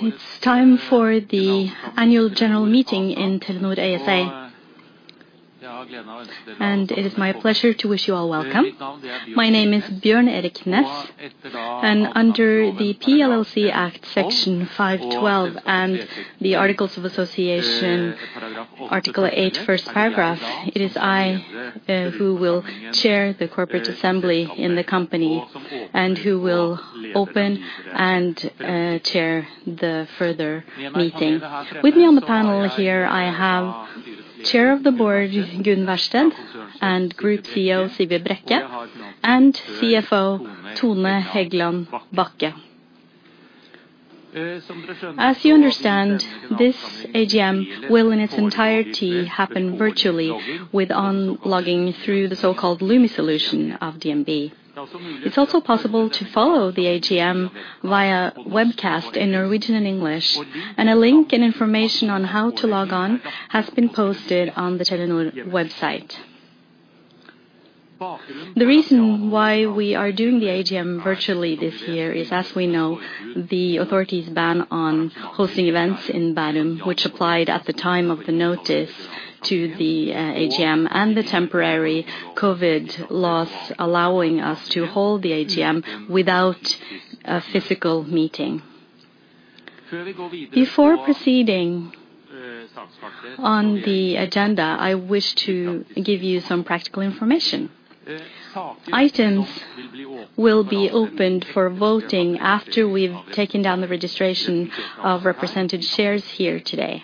It's time for the Annual General Meeting in Telenor ASA. It is my pleasure to wish you all welcome. My name is Bjørn Erik Næss, and under the PLLC Act, Section 512 and the Articles of Association, Article 8, First Paragraph, it is I who will chair the corporate assembly in the company and who will open and chair the further meeting. With me on the panel here I have Chair of the Board, Gunn Wærsted, and Group CEO, Sigve Brekke, and CFO, Tone Hegland Bachke. As you understand, this AGM will, in its entirety, happen virtually with on logging through the so-called Lumi solution of DNB. It's also possible to follow the AGM via webcast in Norwegian and English, and a link and information on how to log on has been posted on the Telenor website. The reason why we are doing the AGM virtually this year is, as we know, the authorities' ban on hosting events in Bærum, which applied at the time of the notice to the AGM and the temporary COVID-19 laws allowing us to hold the AGM without a physical meeting. Before proceeding on the agenda, I wish to give you some practical information. Items will be opened for voting after we've taken down the registration of represented shares here today.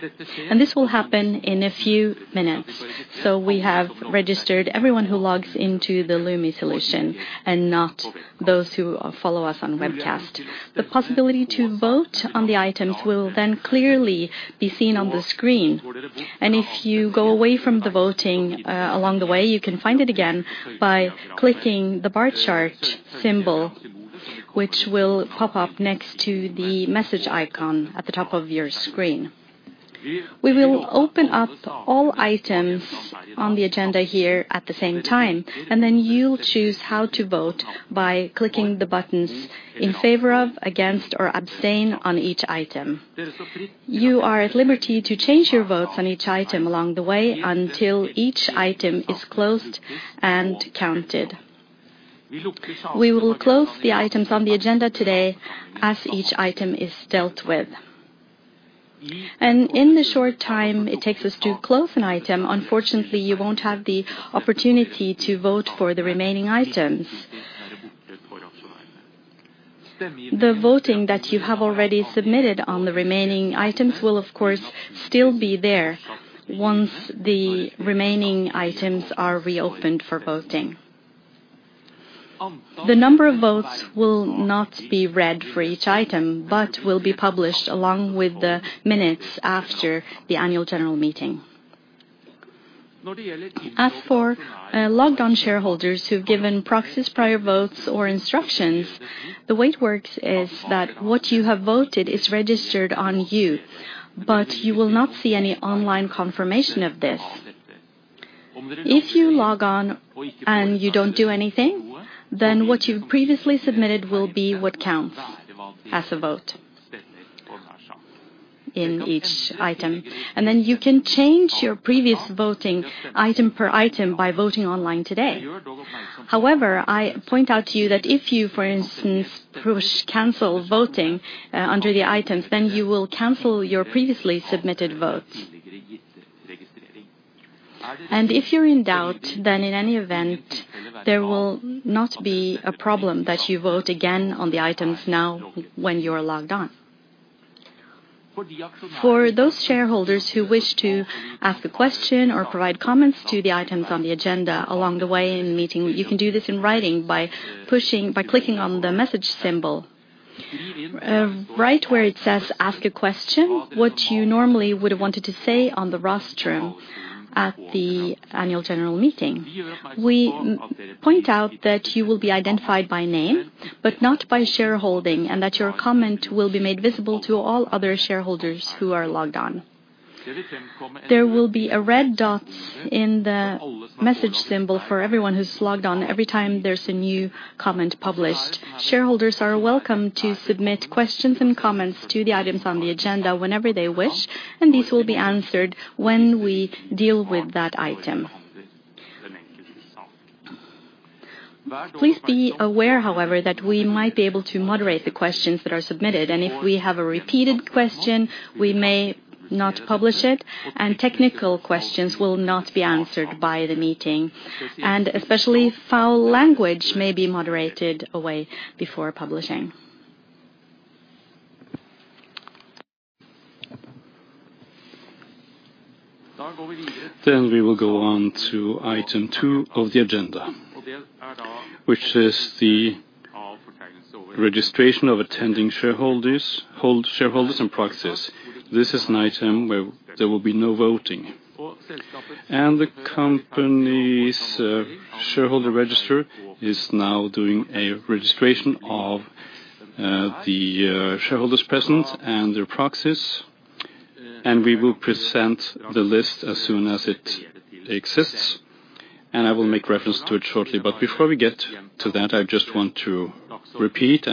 This will happen in a few minutes. We have registered everyone who logs into the Lumi solution and not those who follow us on webcast. The possibility to vote on the items will clearly be seen on the screen. If you go away from the voting along the way, you can find it again by clicking the bar chart symbol, which will pop up next to the message icon at the top of your screen. We will open up all items on the agenda here at the same time, and then you'll choose how to vote by clicking the buttons in favor of, against, or abstain on each item. You are at liberty to change your votes on each item along the way until each item is closed and counted. We will close the items on the agenda today as each item is dealt with. In the short time it takes us to close an item, unfortunately, you won't have the opportunity to vote for the remaining items. The voting that you have already submitted on the remaining items will, of course, still be there once the remaining items are reopened for voting. The number of votes will not be read for each item, but will be published along with the minutes after the Annual General Meeting. As for logged-on shareholders who've given proxies, prior votes, or instructions, the way it works is that what you have voted is registered on you, but you will not see any online confirmation of this. If you log on and you don't do anything, then what you've previously submitted will be what counts as a vote in each item, and then you can change your previous voting item per item by voting online today. However, I point out to you that if you, for instance, push Cancel Voting under the items, then you will cancel your previously submitted votes. If you're in doubt, then in any event, there will not be a problem that you vote again on the items now when you are logged on. For those shareholders who wish to ask a question or provide comments to the items on the agenda along the way in the meeting, you can do this in writing by clicking on the message symbol. Write where it says, "Ask a question" what you normally would have wanted to say on the rostrum at the Annual General Meeting. We point out that you will be identified by name, but not by shareholding, and that your comment will be made visible to all other shareholders who are logged on. There will be a red dot in the message symbol for everyone who's logged on every time there's a new comment published. Shareholders are welcome to submit questions and comments to the items on the agenda whenever they wish, and these will be answered when we deal with that item. Please be aware, however, that we might be able to moderate the questions that are submitted, and if we have a repeated question, we may not publish it, and technical questions will not be answered by the meeting, and especially foul language may be moderated away before publishing. We will go on to Item two of the agenda, which is the registration of attending shareholders and proxies. This is an item where there will be no voting. The company's shareholder register is now doing a registration of the shareholders present and their proxies. We will present the list as soon as it exists, and I will make reference to it shortly. Before we get to that, I just want to repeat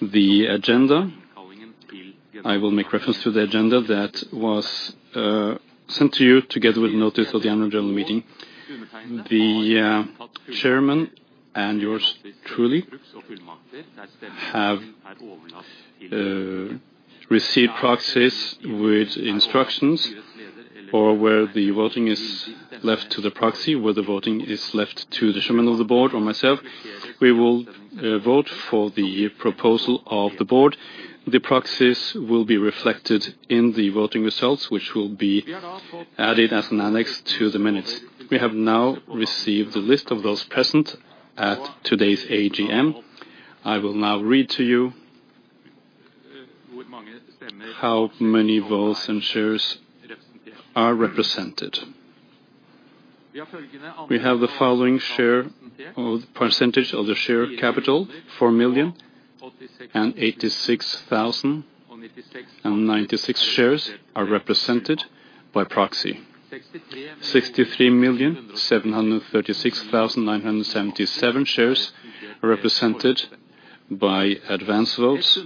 the agenda. I will make reference to the agenda that was sent to you together with notice of the annual general meeting. The Chairman and yours truly have received proxies with instructions or where the voting is left to the proxy, where the voting is left to the Chairman of the Board or myself. We will vote for the proposal of the board. The proxies will be reflected in the voting results, which will be added as an annex to the minutes. We have now received the list of those present at today's AGM. I will now read to you how many votes and shares are represented. We have the following share, percentage of the share capital, 4,086,096 shares are represented by proxy. 63,736,977 shares are represented by advance votes.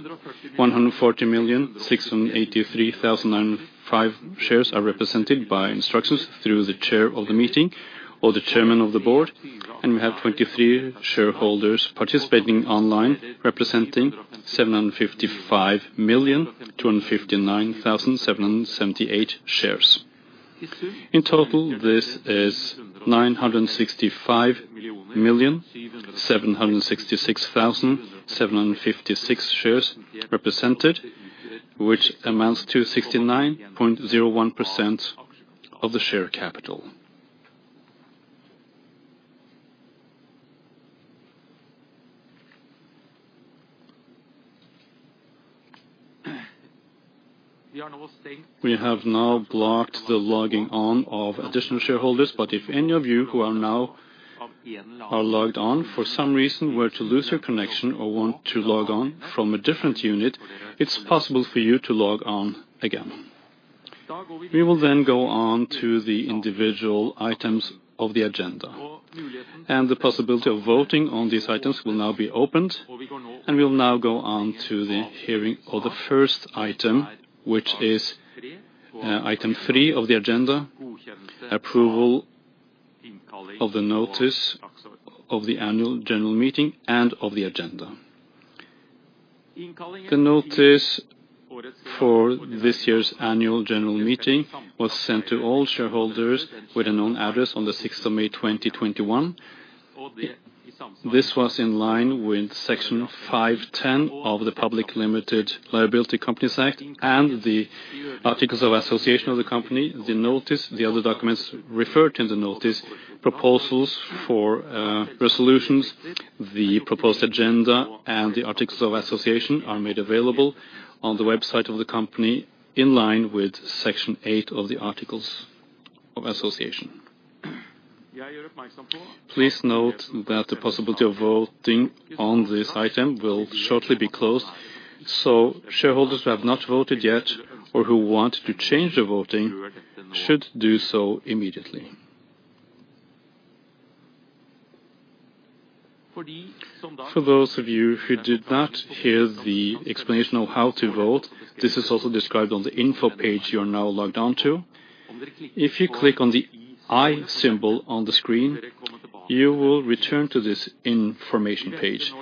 140,683,005 shares are represented by instructions through the chair of the meeting or the chairman of the board. We have 23 shareholders participating online, representing 755,259,778 shares. In total, this is 965,766,756 shares represented, which amounts to 69.01% of the share capital. We have now blocked the logging on of additional shareholders, but if any of you who are now logged on for some reason were to lose your connection or want to log on from a different unit, it's possible for you to log on again. We will go on to the individual items of the agenda, and the possibility of voting on these items will now be opened, and we'll now go on to the hearing of the first item, which is item three of the agenda, approval of the notice of the Annual General Meeting and of the agenda. The notice for this year's Annual General Meeting was sent to all shareholders with a known address on the May 6th, 2021. This was in line with Section 510 of the Public Limited Liability Companies Act and the articles of association of the company. The notice, the other documents referred to the notice, proposals for resolutions, the proposed agenda, and the Articles of Association are made available on the website of the company in line with Section eight of the Articles of Association. Please note that the possibility of voting on this item will shortly be closed, so shareholders who have not voted yet or who want to change their voting should do so immediately. For those of you who did not hear the explanation of how to vote, this is also described on the info page you are now logged on to. If you click on the I symbol on the screen, you will return to this information page.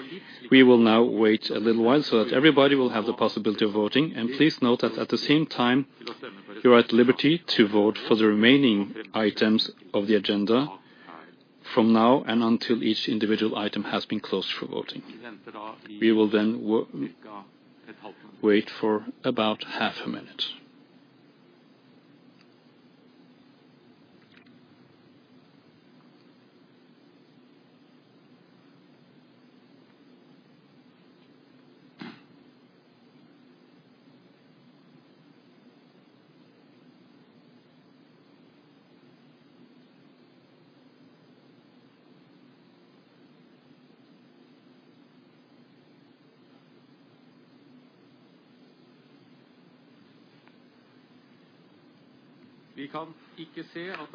We will now wait a little while so that everybody will have the possibility of voting, and please note that at the same time, you are at liberty to vote for the remaining items of the agenda from now and until each individual item has been closed for voting. We will wait for about half a minute.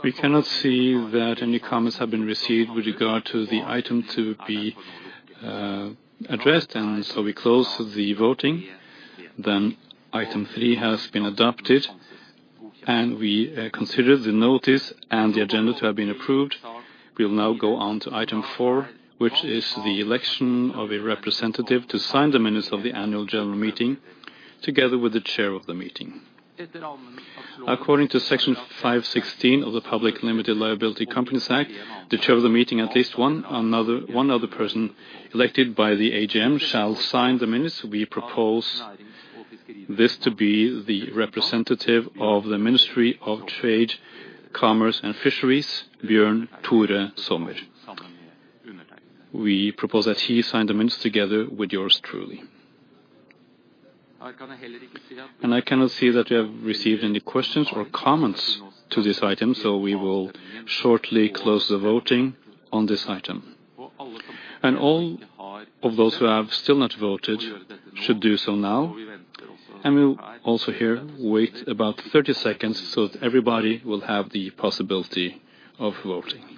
We cannot see that any comments have been received with regard to the item to be addressed, and so we close the voting. Item three has been adopted, and we consider the notice and the agenda to have been approved. We'll now go on to item four, which is the election of a representative to sign the minutes of the annual general meeting together with the chair of the meeting. According to Section 516 of the Public Limited Liability Companies Act, the chair of the meeting, at least one other person elected by the AGM shall sign the minutes. We propose this to be the representative of the Ministry of Trade, Industry and Fisheries, Bjørn Tore Sommer. We propose that he sign the minutes together with yours truly. I cannot see that we have received any questions or comments to this item, so we will shortly close the voting on this item. All of those who have still not voted should do so now. We also here wait about 30 seconds so everybody will have the possibility of voting.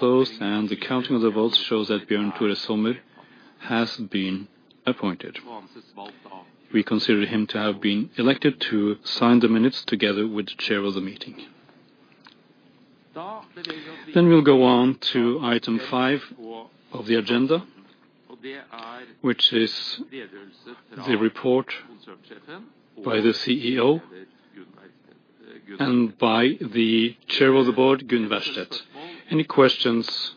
Now the voting has been closed, and the counting of the votes shows that Bjørn Tore Sommer has been appointed. We consider him to have been elected to sign the minutes together with the chair of the meeting. We'll go on to item five of the agenda, which is the report by the CEO and by the Chair of the Board, Gunn Wærsted. Any questions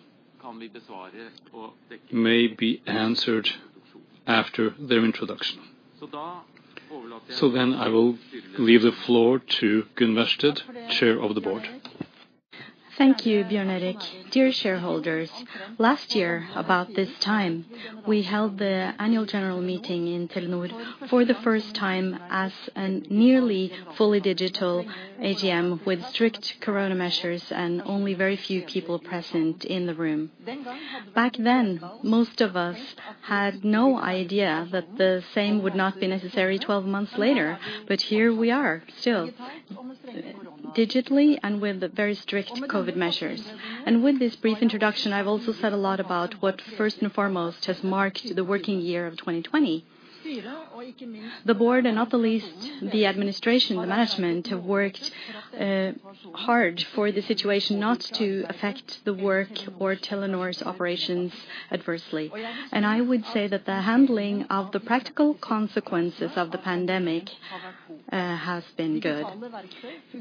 may be answered after their introduction. I will leave the floor to Gunn Wærsted, Chair of the Board. Thank you, Bjørn Erik. Dear shareholders, last year about this time, we held the annual general meeting in Telenor for the first time as a nearly fully digital AGM with strict corona measures and only very few people present in the room. Back then, most of us had no idea that the same would not be necessary 12 months later, but here we are, still digitally and with very strict COVID-19 measures. With this brief introduction, I've also said a lot about what first and foremost has marked the working year of 2020. The board, and not the least the administration management, have worked hard for the situation not to affect the work or Telenor's operations adversely. I would say that the handling of the practical consequences of the pandemic has been good.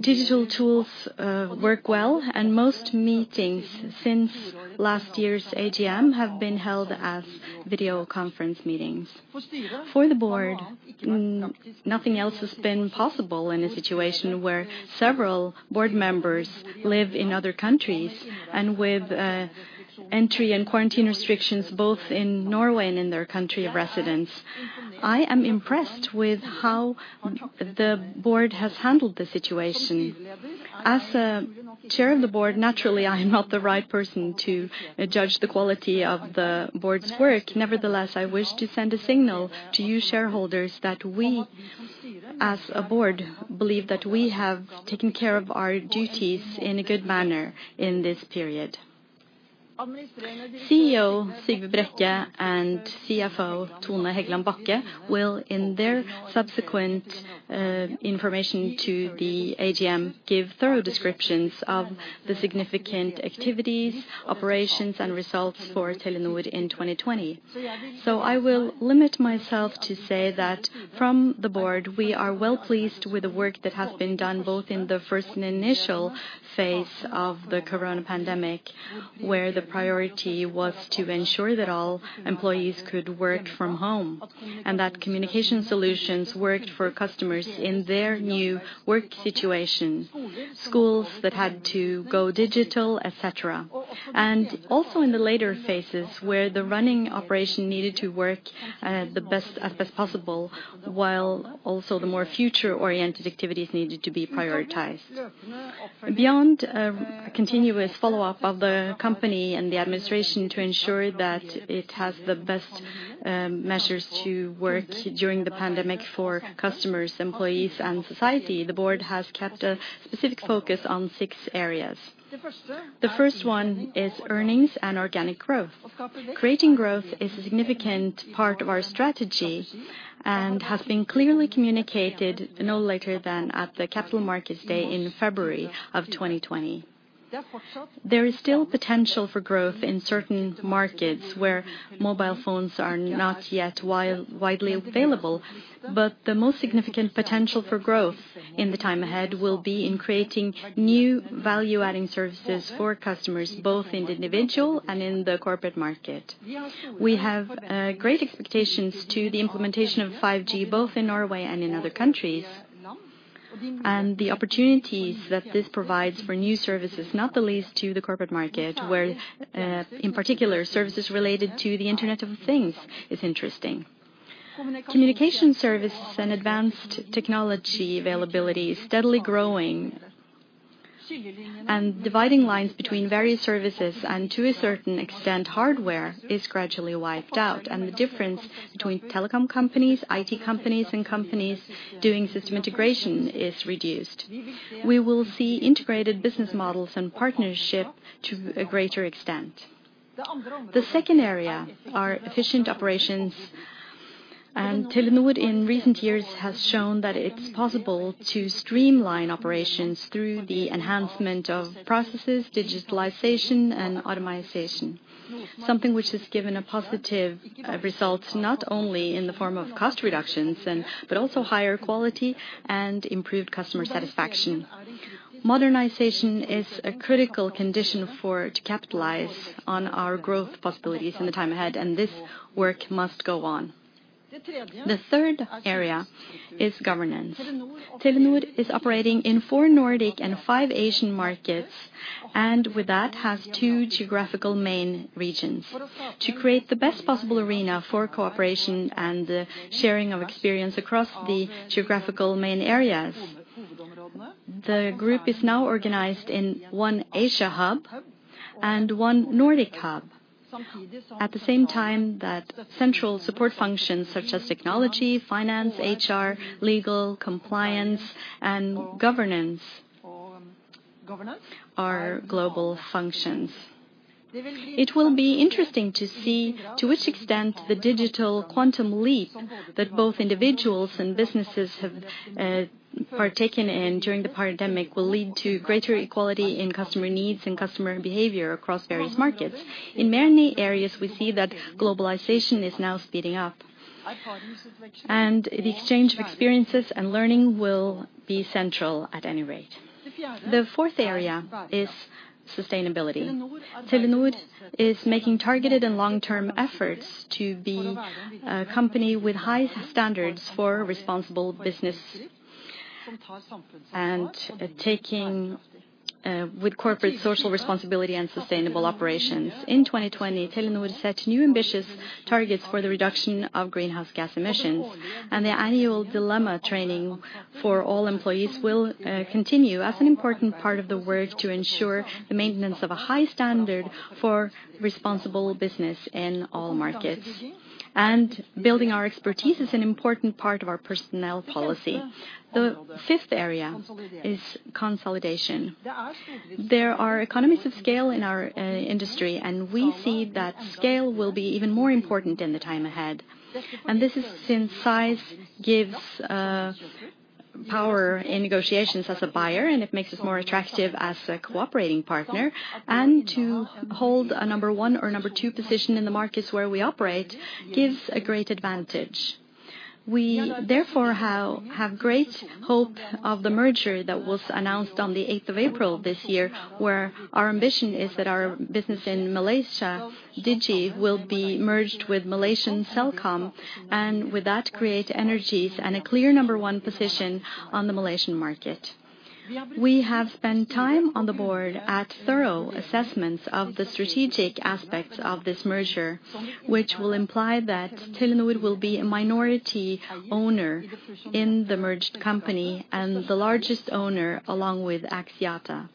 Digital tools work well. Most meetings since last year's AGM have been held as video conference meetings. For the board, nothing else has been possible in a situation where several board members live in other countries and with entry and quarantine restrictions both in Norway and in their country of residence. I am impressed with how the board has handled the situation. As a chair of the board, naturally, I am not the right person to judge the quality of the board's work. Nevertheless, I wish to send a signal to you shareholders that we, as a board, believe that we have taken care of our duties in a good manner in this period. CEO Sigve Brekke and CFO Tone Hegland Bachke will, in their subsequent information to the AGM, give thorough descriptions of the significant activities, operations, and results for Telenor in 2020. I will limit myself to say that from the board, we are well pleased with the work that has been done both in the first and initial phase of the corona pandemic, where the priority was to ensure that all employees could work from home and that communication solutions worked for customers in their new work situations, schools that had to go digital, et cetera. Also in the later phases, where the running operation needed to work as best as possible, while also the more future-oriented activities needed to be prioritized. Beyond a continuous follow-up of the company and the administration to ensure that it has the best measures to work during the pandemic for customers, employees, and society, the board has kept a specific focus on six areas. The first one is earnings and organic growth. Creating growth is a significant part of our strategy and has been clearly communicated no later than at the Capital Markets Day in February of 2020. There is still potential for growth in certain markets where mobile phones are not yet widely available, but the most significant potential for growth in the time ahead will be in creating new value-adding services for customers, both in the individual and in the corporate market. We have great expectations to the implementation of 5G, both in Norway and in other countries, and the opportunities that this provides for new services, not the least to the corporate market, where in particular services related to the Internet of Things is interesting. Communication services and advanced technology availability is steadily growing, and dividing lines between various services and to a certain extent, hardware, is gradually wiped out, and the difference between telecom companies, IT companies, and companies doing system integration is reduced. We will see integrated business models and partnership to a greater extent. The second area are efficient operations, and Telenor in recent years has shown that it's possible to streamline operations through the enhancement of processes, digitalization, and automatization. Something which has given a positive result, not only in the form of cost reductions, but also higher quality and improved customer satisfaction. Modernization is a critical condition for it to capitalize on our growth possibilities in the time ahead, and this work must go on. The third area is governance. Telenor is operating in four Nordic and five Asian markets, and with that has two geographical main regions. To create the best possible arena for cooperation and the sharing of experience across the geographical main areas, the group is now organized in one Asia Hub and one Nordic Hub. At the same time, that central support functions such as technology, finance, HR, legal, compliance, and governance are global functions. It will be interesting to see to which extent the digital quantum leap that both individuals and businesses have partaken in during the pandemic will lead to greater equality in customer needs and customer behavior across various markets. In many areas, we see that globalization is now speeding up, and the exchange of experiences and learning will be central at any rate. The fourth area is sustainability. Telenor is making targeted and long-term efforts to be a company with high standards for responsible business and taking with corporate social responsibility and sustainable operations. In 2020, Telenor set new ambitious targets for the reduction of greenhouse gas emissions. The annual dilemma training for all employees will continue as an important part of the work to ensure the maintenance of a high standard for responsible business in all markets. Building our expertise is an important part of our personnel policy. The fifth area is consolidation. There are economies of scale in our industry. We see that scale will be even more important in the time ahead. This is since size gives power in negotiations as a buyer. It makes us more attractive as a cooperating partner. To hold a number one or number two position in the markets where we operate gives a great advantage. We therefore have great hope of the merger that was announced on the April 8th, 2021 where our ambition is that our business in Malaysia, Digi, will be merged with Malaysian Celcom and with that create synergies and a clear number one position on the Malaysian market. We have spent time on the board at thorough assessments of the strategic aspects of this merger, which will imply that Telenor will be a minority owner in the merged company and the largest owner along with Axiata.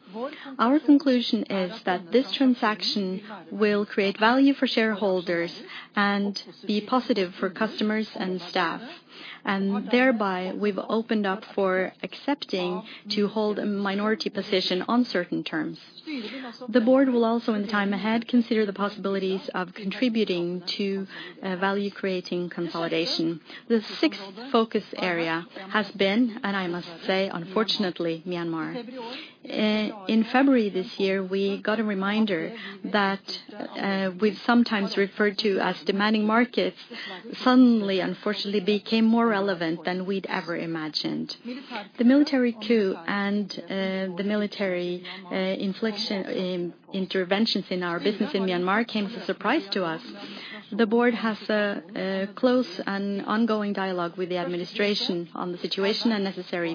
Our conclusion is that this transaction will create value for shareholders and be positive for customers and staff, and thereby we've opened up for accepting to hold a minority position on certain terms. The board will also in time ahead consider the possibilities of contributing to value-creating consolidation. The sixth focus area has been, and I must say, unfortunately, Myanmar. In February this year, we got a reminder that we sometimes refer to as demanding markets suddenly unfortunately became more relevant than we'd ever imagined. The military coup and the military interventions in our business in Myanmar came as a surprise to us. The board has a close and ongoing dialogue with the administration on the situation and necessary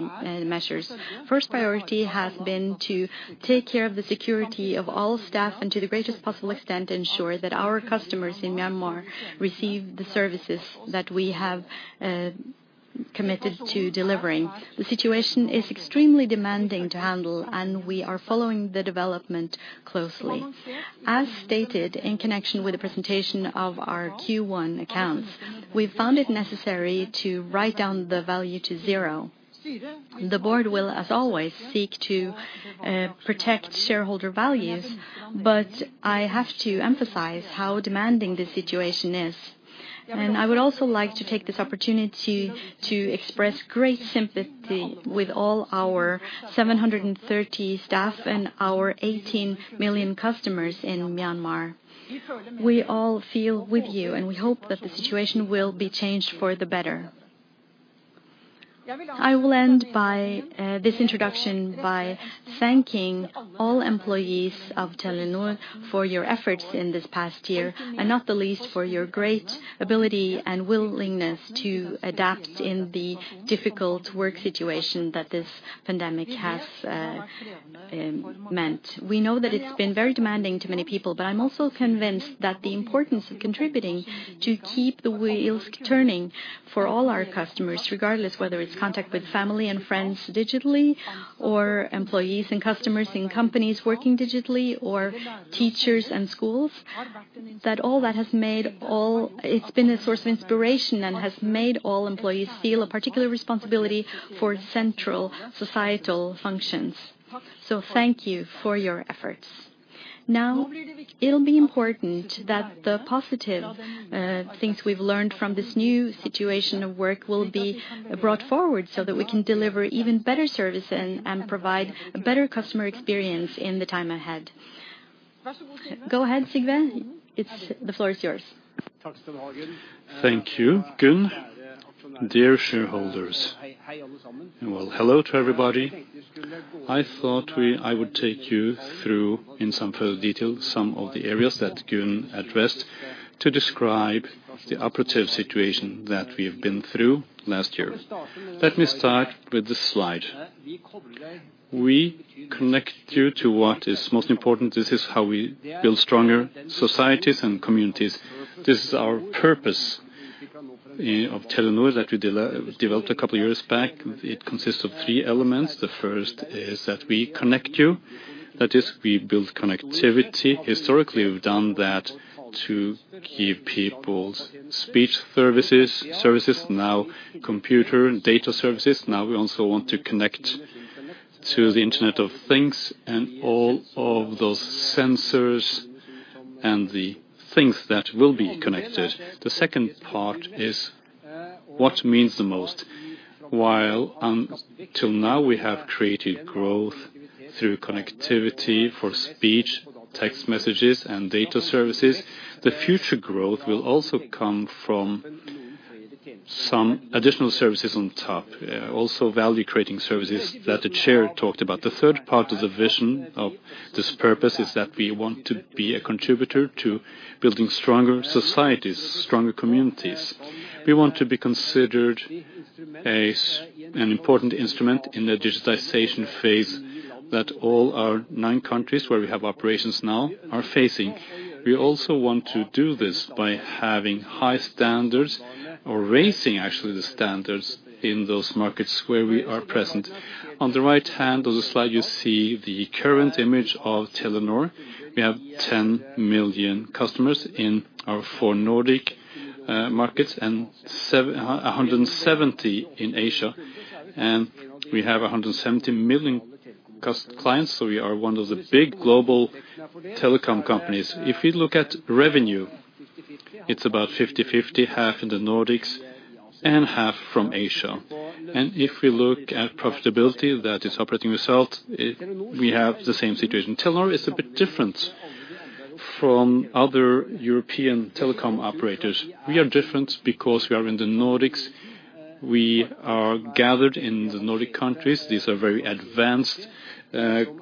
measures. First priority has been to take care of the security of all staff and to the greatest possible extent ensure that our customers in Myanmar receive the services that we have committed to delivering. The situation is extremely demanding to handle, and we are following the development closely. As stated in connection with the presentation of our Q1 accounts, we found it necessary to write down the value to zero. The board will, as always, seek to protect shareholder values, but I have to emphasize how demanding the situation is. I would also like to take this opportunity to express great sympathy with all our 730 staff and our 18 million customers in Myanmar. We all feel with you and hope that the situation will be changed for the better. I will end this introduction by thanking all employees of Telenor for your efforts in this past year and not the least for your great ability and willingness to adapt in the difficult work situation that this pandemic has meant. We know that it's been very demanding to many people, but I'm also convinced that the importance of contributing to keep the wheels turning for all our customers, regardless whether it's contact with family and friends digitally, or employees and customers in companies working digitally, or teachers and schools, that it's been a source of inspiration and has made all employees feel a particular responsibility for central societal functions. Thank you for your efforts. It'll be important that the positive things we've learned from this new situation of work will be brought forward so that we can deliver even better service and provide a better customer experience in the time ahead. Go ahead, Sigve. The floor is yours. Thank you, Gunn. Dear shareholders. Well, hello to everybody. I thought I would take you through, in some further detail, some of the areas that Gunn addressed to describe the operative situation that we have been through last year. Let me start with this slide. We connect you to what is most important. This is how we build stronger societies and communities. This is our purpose of Telenor that we developed a couple of years back. It consists of three elements. The first is that we connect you, that is we build connectivity. Historically, we've done that to give people speech services. Services now computer, data services. Now we also want to connect to the Internet of Things and all of those sensors and the things that will be connected. The second part is what means the most. While until now we have created growth through connectivity for speech, text messages, and data services. The future growth will also come from some additional services on top. Value creating services that the chair talked about. The third part of the vision of this purpose is that we want to be a contributor to building stronger societies, stronger communities. We want to be considered an important instrument in the digitization phase that all our nine countries where we have operations now are facing. We want to do this by having high standards or raising, actually, the standards in those markets where we are present. On the right hand of the slide, you see the current image of Telenor. We have 10 million customers in our four Nordic markets and 170 in Asia. We have 170 million clients, we are one of the big global telecom companies. If we look at revenue, it's about 50/50, half in the Nordics and half from Asia. If we look at profitability, that is operating results, we have the same situation. Telenor is a bit different from other European telecom operators. We are different because we are in the Nordics. We are gathered in the Nordic countries. These are very advanced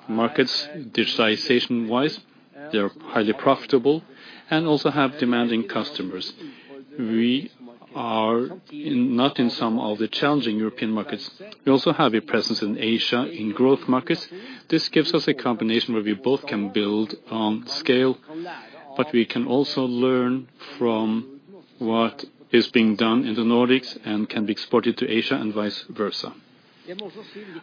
markets, digitization-wise. They are highly profitable and also have demanding customers. We are not in some of the challenging European markets. We also have a presence in Asia in growth markets. This gives us a combination where we both can build on scale, but we can also learn from what is being done in the Nordics and can be exported to Asia and vice versa.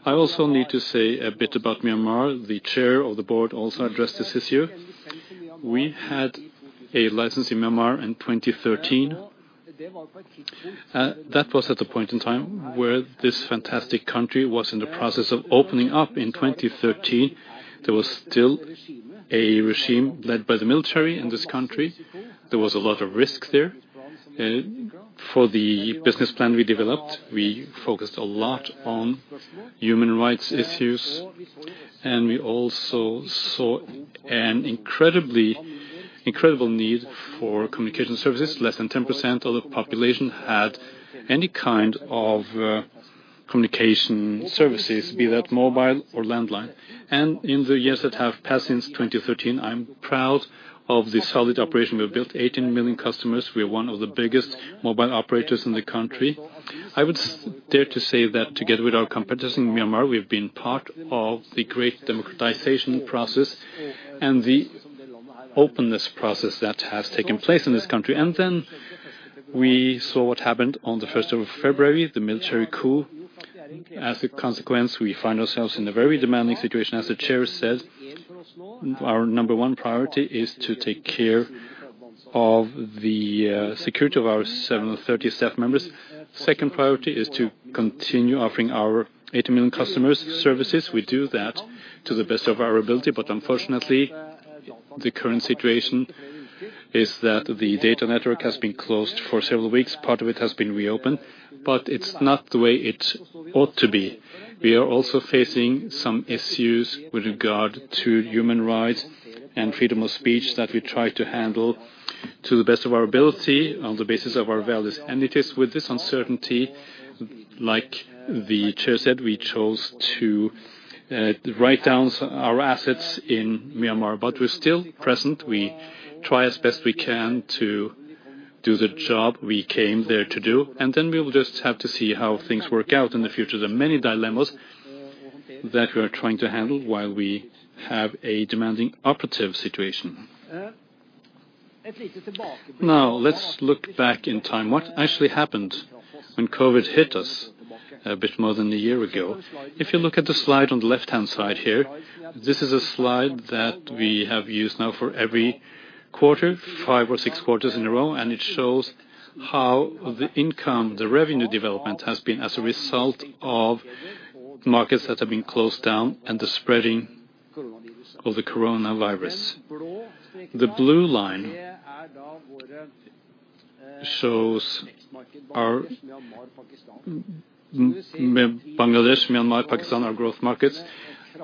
I also need to say a bit about Myanmar. The chair of the board also addressed this issue. We had a license in Myanmar in 2013. That was at the point in time where this fantastic country was in the process of opening up in 2013. There was still a regime led by the military in this country. There was a lot of risk there. For the business plan we developed, we focused a lot on human rights issues, and we also saw an incredible need for communication services. Less than 10% of the population had any kind of communication services, be that mobile or landline. In the years that have passed since 2013, I'm proud of the solid operation we've built, 18 million customers. We are one of the biggest mobile operators in the country. I would dare to say that together with our competitors in Myanmar, we've been part of the great democratization process and the openness process that has taken place in this country. We saw what happened on the February 1st, 2021 the military coup. As a consequence, we find ourselves in a very demanding situation. As the chair said, our number one priority is to take care of the security of our 730 staff members. Second priority is to continue offering our 18 million customers services. We do that to the best of our ability, but unfortunately, the current situation is that the data network has been closed for several weeks. Part of it has been reopened, but it's not the way it ought to be. We are also facing some issues with regard to human rights and freedom of speech that we try to handle to the best of our ability on the basis of our values and ethics. With this uncertainty, like the chair said, we chose to write down our assets in Myanmar, but we're still present. We try as best we can to do the job we came there to do, and then we will just have to see how things work out in the future. There are many dilemmas that we are trying to handle while we have a demanding operative situation. Now, let's look back in time. What actually happened when COVID-19 hit us a bit more than a year ago? If you look at the slide on the left-hand side here, this is a slide that we have used now for every quarter, five or six quarters in a row. It shows how the income, the revenue development has been as a result of markets that have been closed down and the spreading of the coronavirus. The blue line shows our Bangladesh, Myanmar, Pakistan, our growth markets.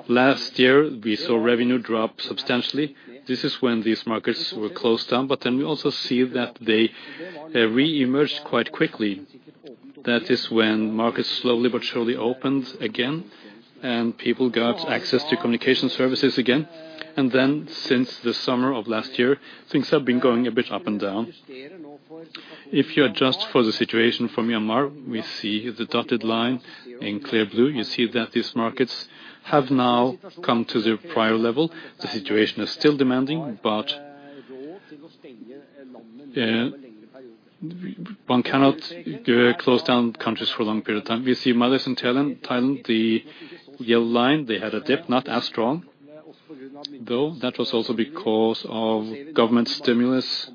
Last year, we saw revenue drop substantially. This is when these markets were closed down. We also see that they re-emerged quite quickly. That is when markets slowly but surely opened again, and people got access to communication services again. Since the summer of last year, things have been going a bit up and down. If you adjust for the situation from Myanmar, we see the dotted line in clear blue. You see that these markets have now come to their prior level. The situation is still demanding, but one cannot close down countries for a long period of time. We see Malaysia and Thailand, the yellow line, they had a dip, not as strong though. That was also because of government stimulus.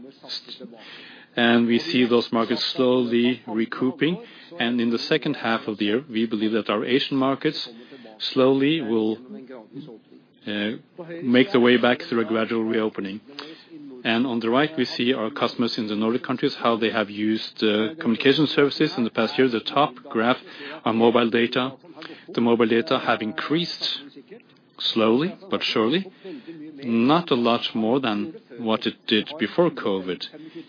We see those markets slowly recouping. In the second half of the year, we believe that our Asian markets slowly will make their way back through a gradual reopening. On the right we see our customers in the Nordic countries, how they have used communication services in the past year. The top graph on mobile data. The mobile data have increased slowly but surely, not a lot more than what it did before COVID-19.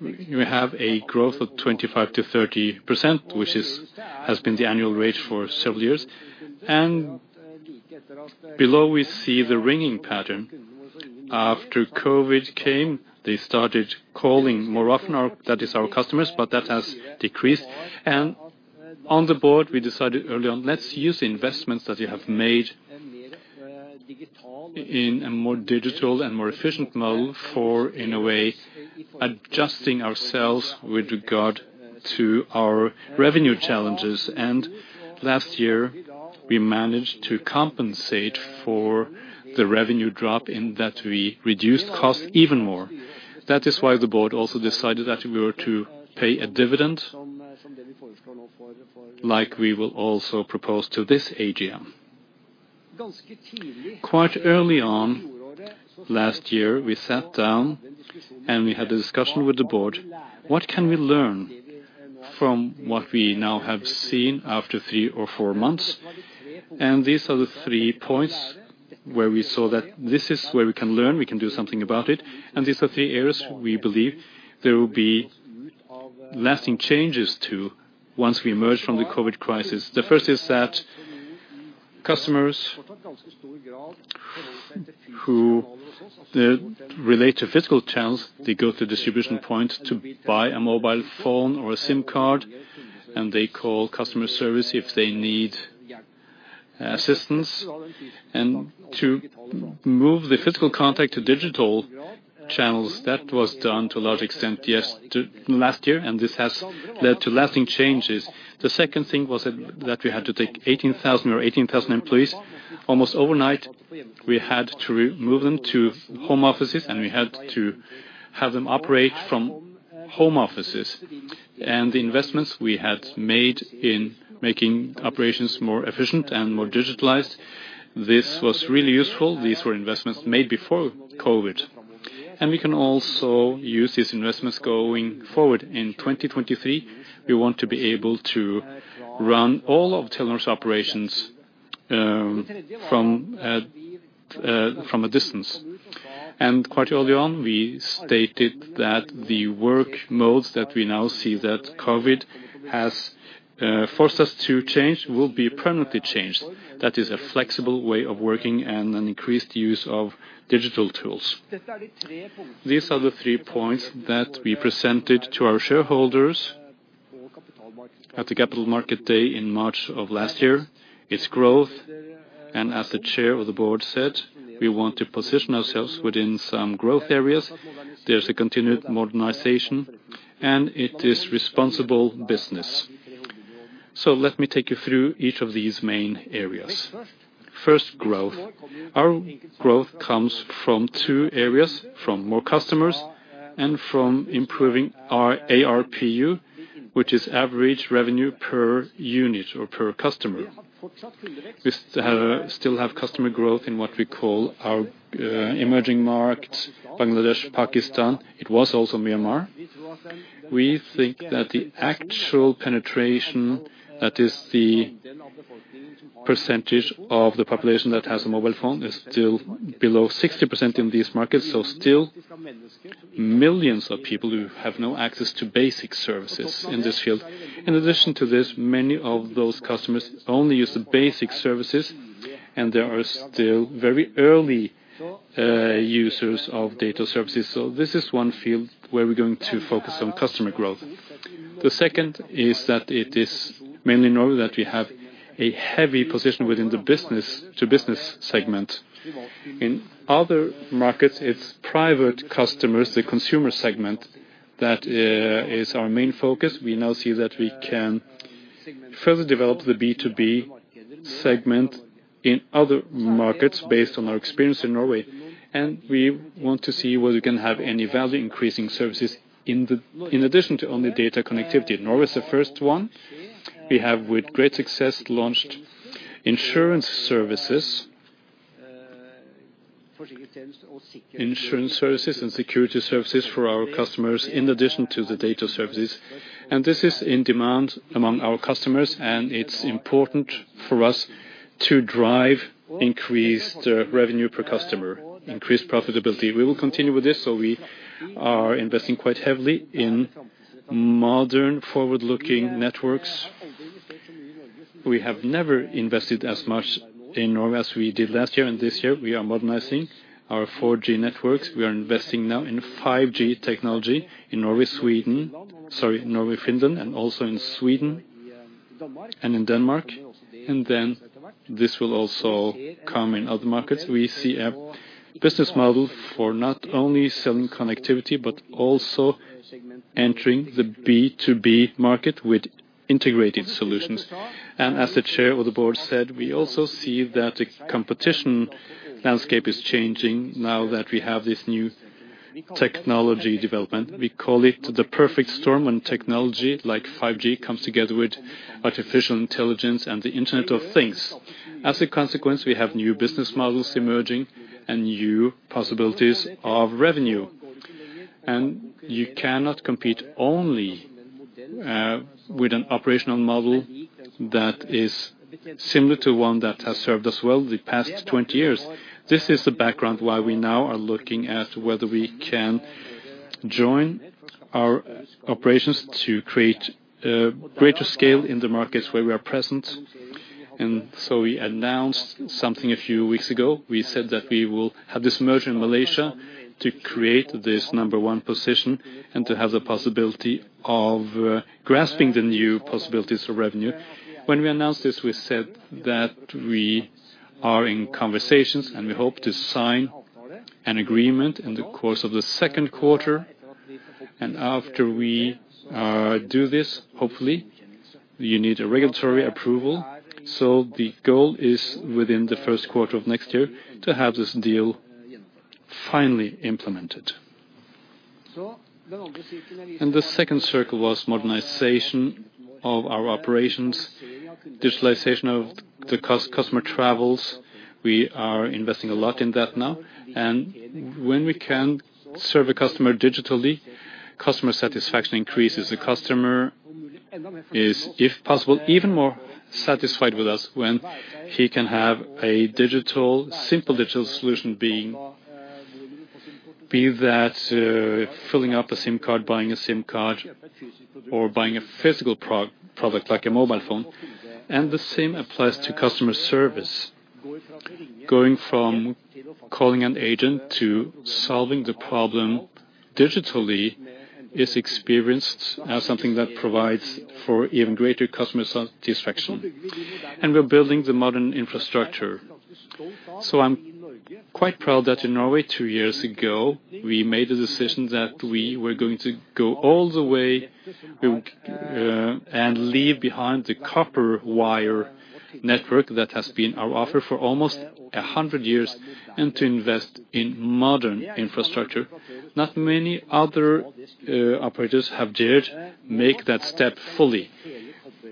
We have a growth of 25%-30%, which has been the annual rate for several years. Below we see the ringing pattern. After COVID-19 came, they started calling more often, that is our customers. That has decreased. On the board we decided early on, let's use the investments that we have made in a more digital and more efficient model for, in a way, adjusting ourselves with regard to our revenue challenges. Last year we managed to compensate for the revenue drop in that we reduced costs even more. That is why the board also decided that we were to pay a dividend, like we will also propose to this AGM. Quite early on last year, we sat down and we had a discussion with the board. What can we learn from what we now have seen after three or four months? These are the three points where we saw that this is where we can learn, we can do something about it, and these are the areas we believe there will be lasting changes to once we emerge from the COVID-19 crisis. The first is that customers who relate to physical channels, they go to distribution points to buy a mobile phone or a SIM card, and they call customer service if they need assistance. To move the physical contact to digital channels, that was done to a large extent last year, this has led to lasting changes. The second thing was that we had to take 18,000 employees almost overnight. We had to move them to home offices, and we had to have them operate from home offices. The investments we had made in making operations more efficient and more digitalized, this was really useful. These were investments made before COVID-19. We can also use these investments going forward. In 2023, we want to be able to run all of Telenor's operations from a distance. Quite early on, we stated that the work modes that we now see that COVID-19 has forced us to change will be permanently changed. That is a flexible way of working and an increased use of digital tools. These are the three points that we presented to our shareholders at the Capital Market Day in March of last year. It's growth, and as the chair of the board said, we want to position ourselves within some growth areas. There's a continued modernization, and it is responsible business. Let me take you through each of these main areas. First, growth. Our growth comes from two areas, from more customers and from improving our ARPU, which is average revenue per unit or per customer. We still have customer growth in what we call our emerging markets, Bangladesh, Pakistan. It was also Myanmar. We think that the actual penetration, that is the percentage of the population that has a mobile phone, is still below 60% in these markets. Still millions of people who have no access to basic services in this field. In addition to this, many of those customers only use the basic services, and they are still very early users of data services. This is one field where we're going to focus on customer growth. The second is that it is mainly in Norway that we have a heavy position within the business-to-business segment. In other markets, it's private customers, the consumer segment, that is our main focus. We now see that we can further develop the B2B segment in other markets based on our experience in Norway. We want to see whether we can have any value increasing services in addition to only data connectivity. Norway is the first one. We have, with great success, launched insurance services and security services for our customers in addition to the data services. This is in demand among our customers, and it's important for us to drive increased revenue per customer, increased profitability. We will continue with this, we are investing quite heavily in modern forward-looking networks. We have never invested as much in Norway as we did last year and this year. We are modernizing our 4G networks. We are investing now in 5G technology in Norway, Finland, and also in Sweden and in Denmark. This will also come in other markets. We see a business model for not only selling connectivity but also entering the B2B market with integrated solutions. As the chair of the board said, we also see that the competition landscape is changing now that we have this new technology development. We call it the perfect storm when technology like 5G comes together with artificial intelligence and the Internet of Things. As a consequence, we have new business models emerging and new possibilities of revenue. You cannot compete only with an operational model that is similar to one that has served us well the past 20 years. This is the background why we now are looking at whether we can join our operations to create greater scale in the markets where we are present. We announced something a few weeks ago. We said that we will have this merger in Malaysia to create this number one position and to have the possibility of grasping the new possibilities for revenue. When we announced this, we said that we are in conversations, and we hope to sign an agreement in the course of the second quarter. After we do this, hopefully, we need a regulatory approval. The goal is within the first quarter of next year to have this deal finally implemented. The second circle was modernization of our operations, digitalization of the customer travels. We are investing a lot in that now. When we can serve a customer digitally, customer satisfaction increases. The customer is, if possible, even more satisfied with us when he can have a simple digital solution, be that filling up a SIM card, buying a SIM card, or buying a physical product like a mobile phone. The same applies to customer service. Going from calling an agent to solving the problem digitally is experienced as something that provides for even greater customer satisfaction. We're building the modern infrastructure. I'm quite proud that in Norway two years ago, we made a decision that we were going to go all the way and leave behind the copper-wire network that has been our offer for almost 100 years and to invest in modern infrastructure. Not many other operators have dared make that step fully.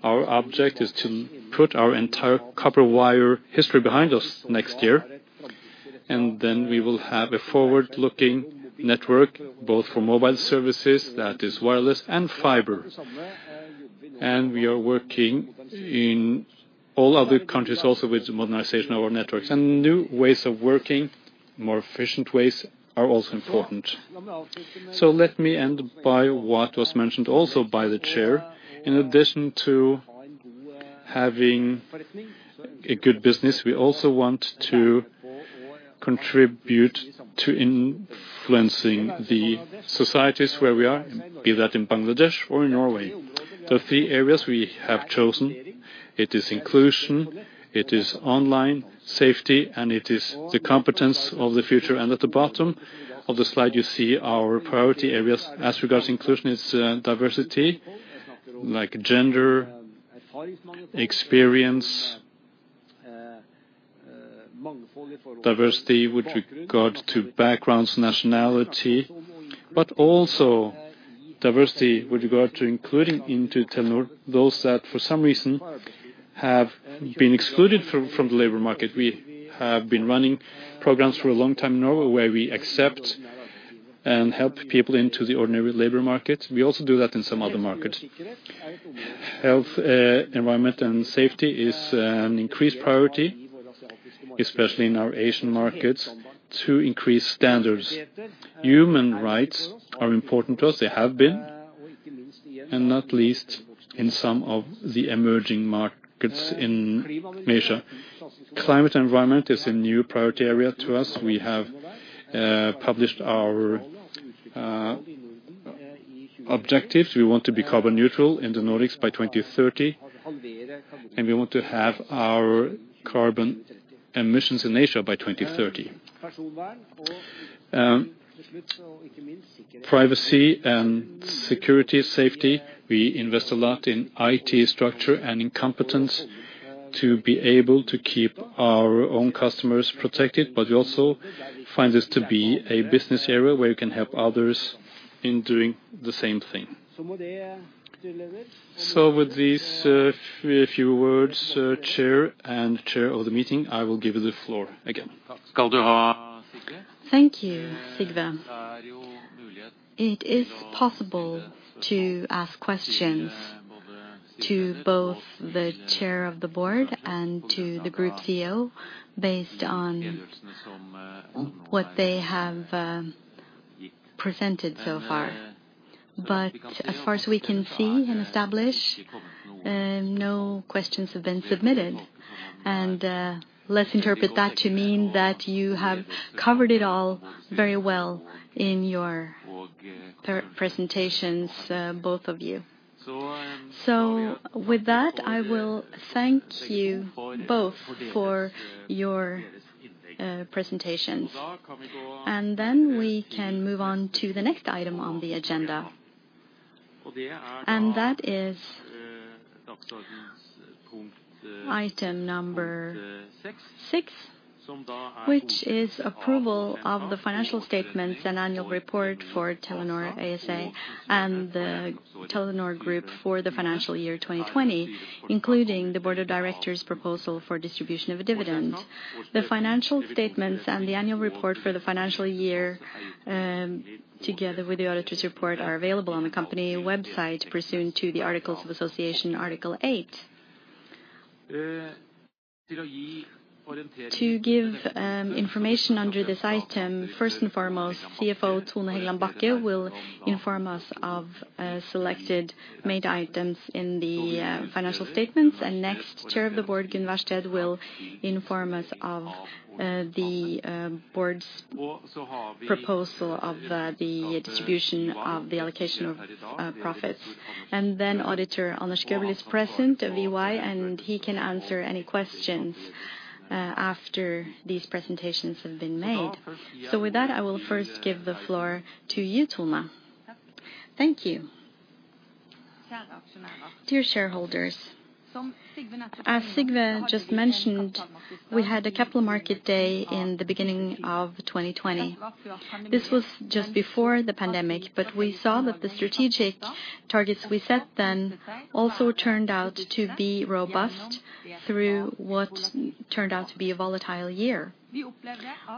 Our object is to put our entire copper-wire history behind us next year. Then we will have a forward-looking network, both for mobile services that is wireless and fiber. We are working in all other countries also with the modernization of our networks. New ways of working, more efficient ways are also important. Let me end by what was mentioned also by the chair. In addition to having a good business, we also want to contribute to influencing the societies where we are, be that in Bangladesh or in Norway. The three areas we have chosen, it is inclusion, it is online safety, and it is the competence of the future. At the bottom of the slide, you see our priority areas. As regards inclusion, it's diversity, like gender, experience, diversity with regard to backgrounds, nationality, but also diversity with regard to including into Telenor those that for some reason have been excluded from the labor market. We have been running programs for a long time now where we accept and help people into the ordinary labor market. We also do that in some other markets. Health, environment, and safety is an increased priority, especially in our Asian markets, to increase standards. Human rights are important to us. They have been, and not least in some of the emerging markets in Asia. Climate environment is a new priority area to us. We have published our objectives. We want to be carbon neutral in the Nordics by 2030, and we want to have our carbon emissions in Asia by 2030. Privacy and security safety, we invest a lot in IT structure and competence to be able to keep our own customers protected, but we also find this to be a business area where we can help others. In doing the same thing. With these few words, Chair, and Chair of the meeting, I will give you the floor again. Thank you, Sigve. It is possible to ask questions to both the Chair of the Board and to the Group CEO based on what they have presented so far. As far as we can see and establish, no questions have been submitted. Let's interpret that to mean that you have covered it all very well in your presentations, both of you. With that, I will thank you both for your presentations, and then we can move on to the next item on the agenda. That is item number six, which is approval of the financial statements and annual report for Telenor ASA and the Telenor Group for the financial year 2020, including the Board of Directors' proposal for distribution of a dividend. The financial statements and the annual report for the financial year, together with the auditor's report, are available on the company website pursuant to the Articles of Association, Article 8. To give information under this item, first and foremost, CFO Tone Hegland Bachke will inform us of selected major items in the financial statements. Next, Chair of the Board, Gunn Wærsted, will inform us of the board's proposal of the distribution of the allocation of profits. Then Auditor Anders Gøbel is present of EY, and he can answer any questions after these presentations have been made. With that, I will first give the floor to you, Tone. Thank you. Dear shareholders, as Sigve just mentioned, we had a Capital Market Day in the beginning of 2020. This was just before the pandemic. We saw that the strategic targets we set then also turned out to be robust through what turned out to be a volatile year.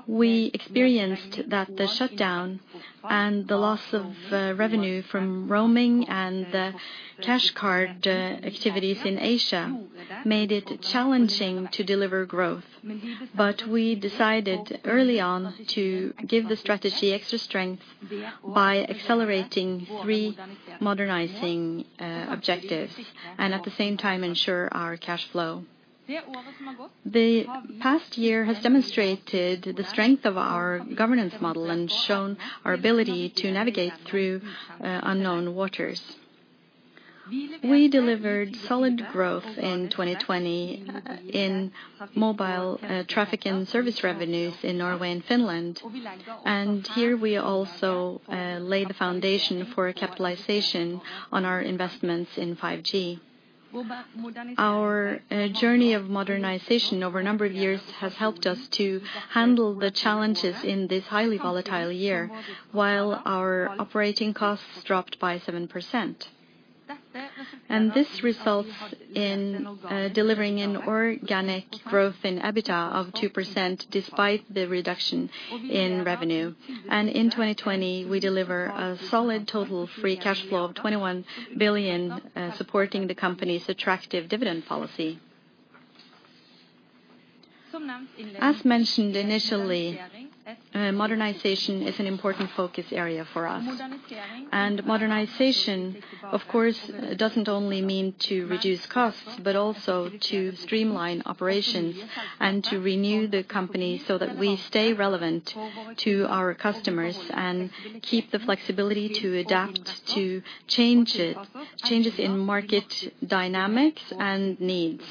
We experienced that the shutdown and the loss of revenue from roaming and the cash card activities in Asia made it challenging to deliver growth. We decided early on to give the strategy extra strength by accelerating three modernizing objectives, and at the same time ensure our cash flow. The past year has demonstrated the strength of our governance model and shown our ability to navigate through unknown waters. We delivered solid growth in 2020 in mobile traffic and service revenues in Norway and Finland, and here we also laid the foundation for a capitalization on our investments in 5G. Our journey of modernization over a number of years has helped us to handle the challenges in this highly volatile year, while our operating costs dropped by 7%. This results in delivering an organic growth in EBITDA of 2%, despite the reduction in revenue. In 2020, we deliver a solid total free cash flow of 21 billion, supporting the company's attractive dividend policy. As mentioned initially, modernization is an important focus area for us. Modernization, of course, doesn't only mean to reduce costs, but also to streamline operations and to renew the company so that we stay relevant to our customers and keep the flexibility to adapt to changes in market dynamics and needs.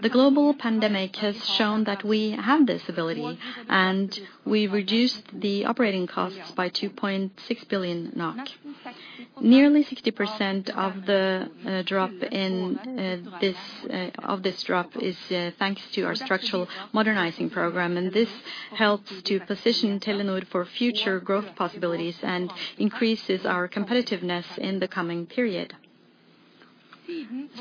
The global pandemic has shown that we have this ability, and we reduced the operating costs by 2.6 billion NOK. Nearly 60% of this drop is thanks to our structural modernizing program, and this helps to position Telenor for future growth possibilities and increases our competitiveness in the coming period.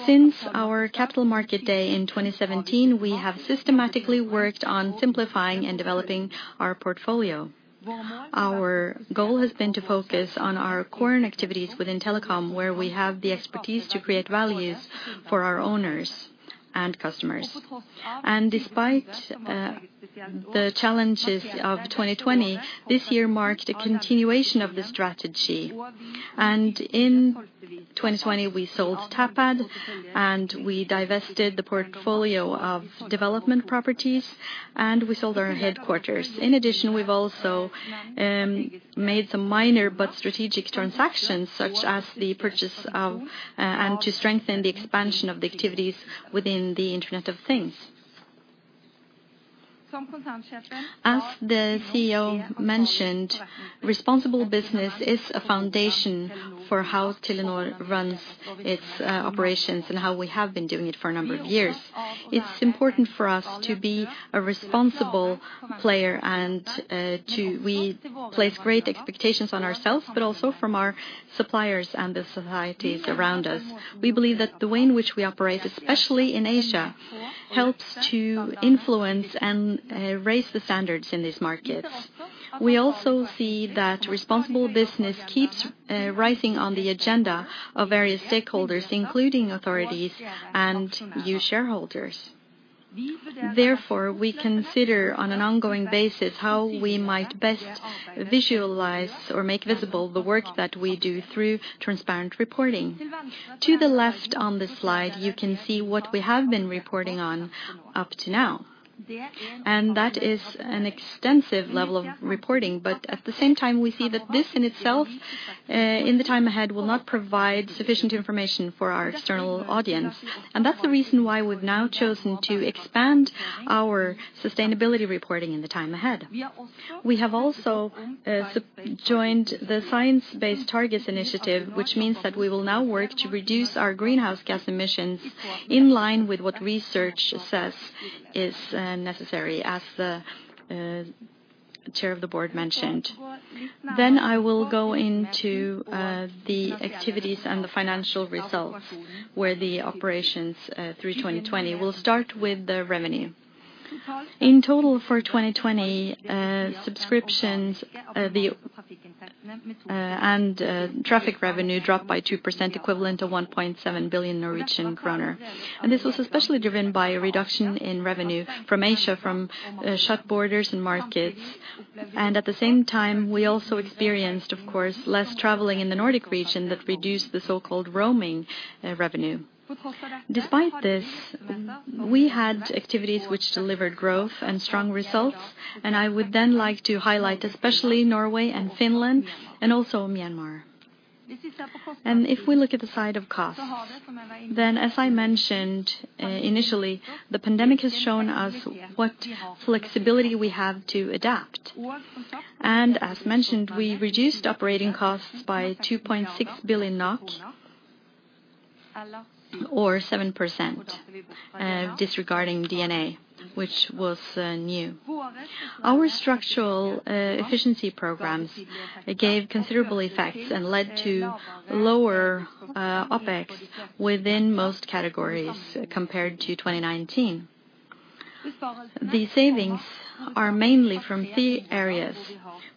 Since our Capital Market Day in 2017, we have systematically worked on simplifying and developing our portfolio. Our goal has been to focus on our core activities within telecom, where we have the expertise to create values for our owners and customers. Despite the challenges of 2020, this year marked a continuation of the strategy. In 2020, we sold Tapad, and we divested the portfolio of development properties, and we sold our headquarters. We've also made some minor but strategic transactions, such as the purchase and to strengthen the expansion of the activities within the Internet of Things. As the CEO mentioned, responsible business is a foundation for how Telenor runs its operations and how we have been doing it for a number of years. It's important for us to be a responsible player and we place great expectations on ourselves, but also from our suppliers and the societies around us. We believe that the way in which we operate, especially in Asia, helps to influence and raise the standards in these markets. We also see that responsible business keeps rising on the agenda of various stakeholders, including authorities and you shareholders. We consider on an ongoing basis how we might best visualize or make visible the work that we do through transparent reporting. To the left on the slide, you can see what we have been reporting on up to now, that is an extensive level of reporting. At the same time, we see that this in itself, in the time ahead, will not provide sufficient information for our external audience. That's the reason why we've now chosen to expand our sustainability reporting in the time ahead. We have also joined the Science Based Targets initiative, which means that we will now work to reduce our greenhouse gas emissions in line with what research assess is necessary, as the Chair of the Board mentioned. I will go into the activities and the financial results, where the operations through 2020. We'll start with the revenue. In total for 2020, subscriptions and traffic revenue dropped by 2%, equivalent to 1.7 billion Norwegian kroner. This was especially driven by a reduction in revenue from Asia, from shut borders and markets. At the same time, we also experienced, of course, less traveling in the Nordic region that reduced the so-called roaming revenue. Despite this, we had activities which delivered growth and strong results, and I would then like to highlight especially Norway and Finland, and also Myanmar. If we look at the side of costs, then as I mentioned initially, the pandemic has shown us what flexibility we have to adapt. As mentioned, we reduced operating costs by 2.6 billion NOK or 7%, disregarding DNB, which was new. Our structural efficiency programs gave considerable effects and led to lower OpEx within most categories compared to 2019. The savings are mainly from three areas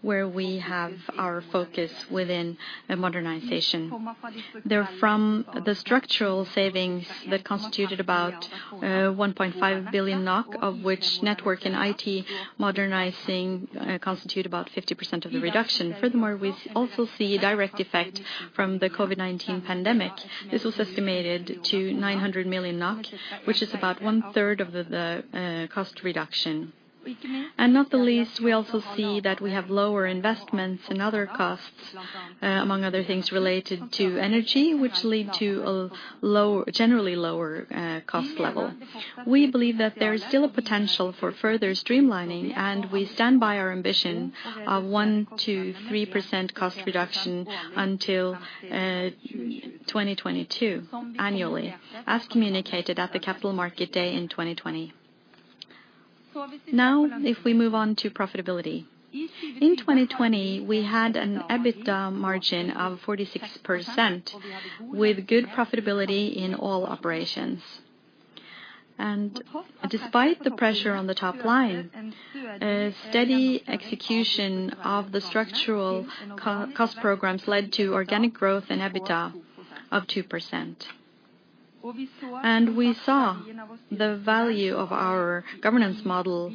where we have our focus within the modernization. They're from the structural savings that constituted about 1.5 billion NOK, of which network and IT modernizing constitute about 50% of the reduction. We also see a direct effect from the COVID-19 pandemic. This was estimated to 900 million, which is about 1/3 of the cost reduction. Not the least, we also see that we have lower investments and other costs, among other things related to energy, which lead to a generally lower cost level. We believe that there is still a potential for further streamlining, and we stand by our ambition of 1%-3% cost reduction until 2022 annually, as communicated at the Capital Market Day in 2020. If we move on to profitability. In 2020, we had an EBITDA margin of 46% with good profitability in all operations. Despite the pressure on the top line, steady execution of the structural cost programs led to organic growth in EBITDA of 2%. We saw the value of our governance model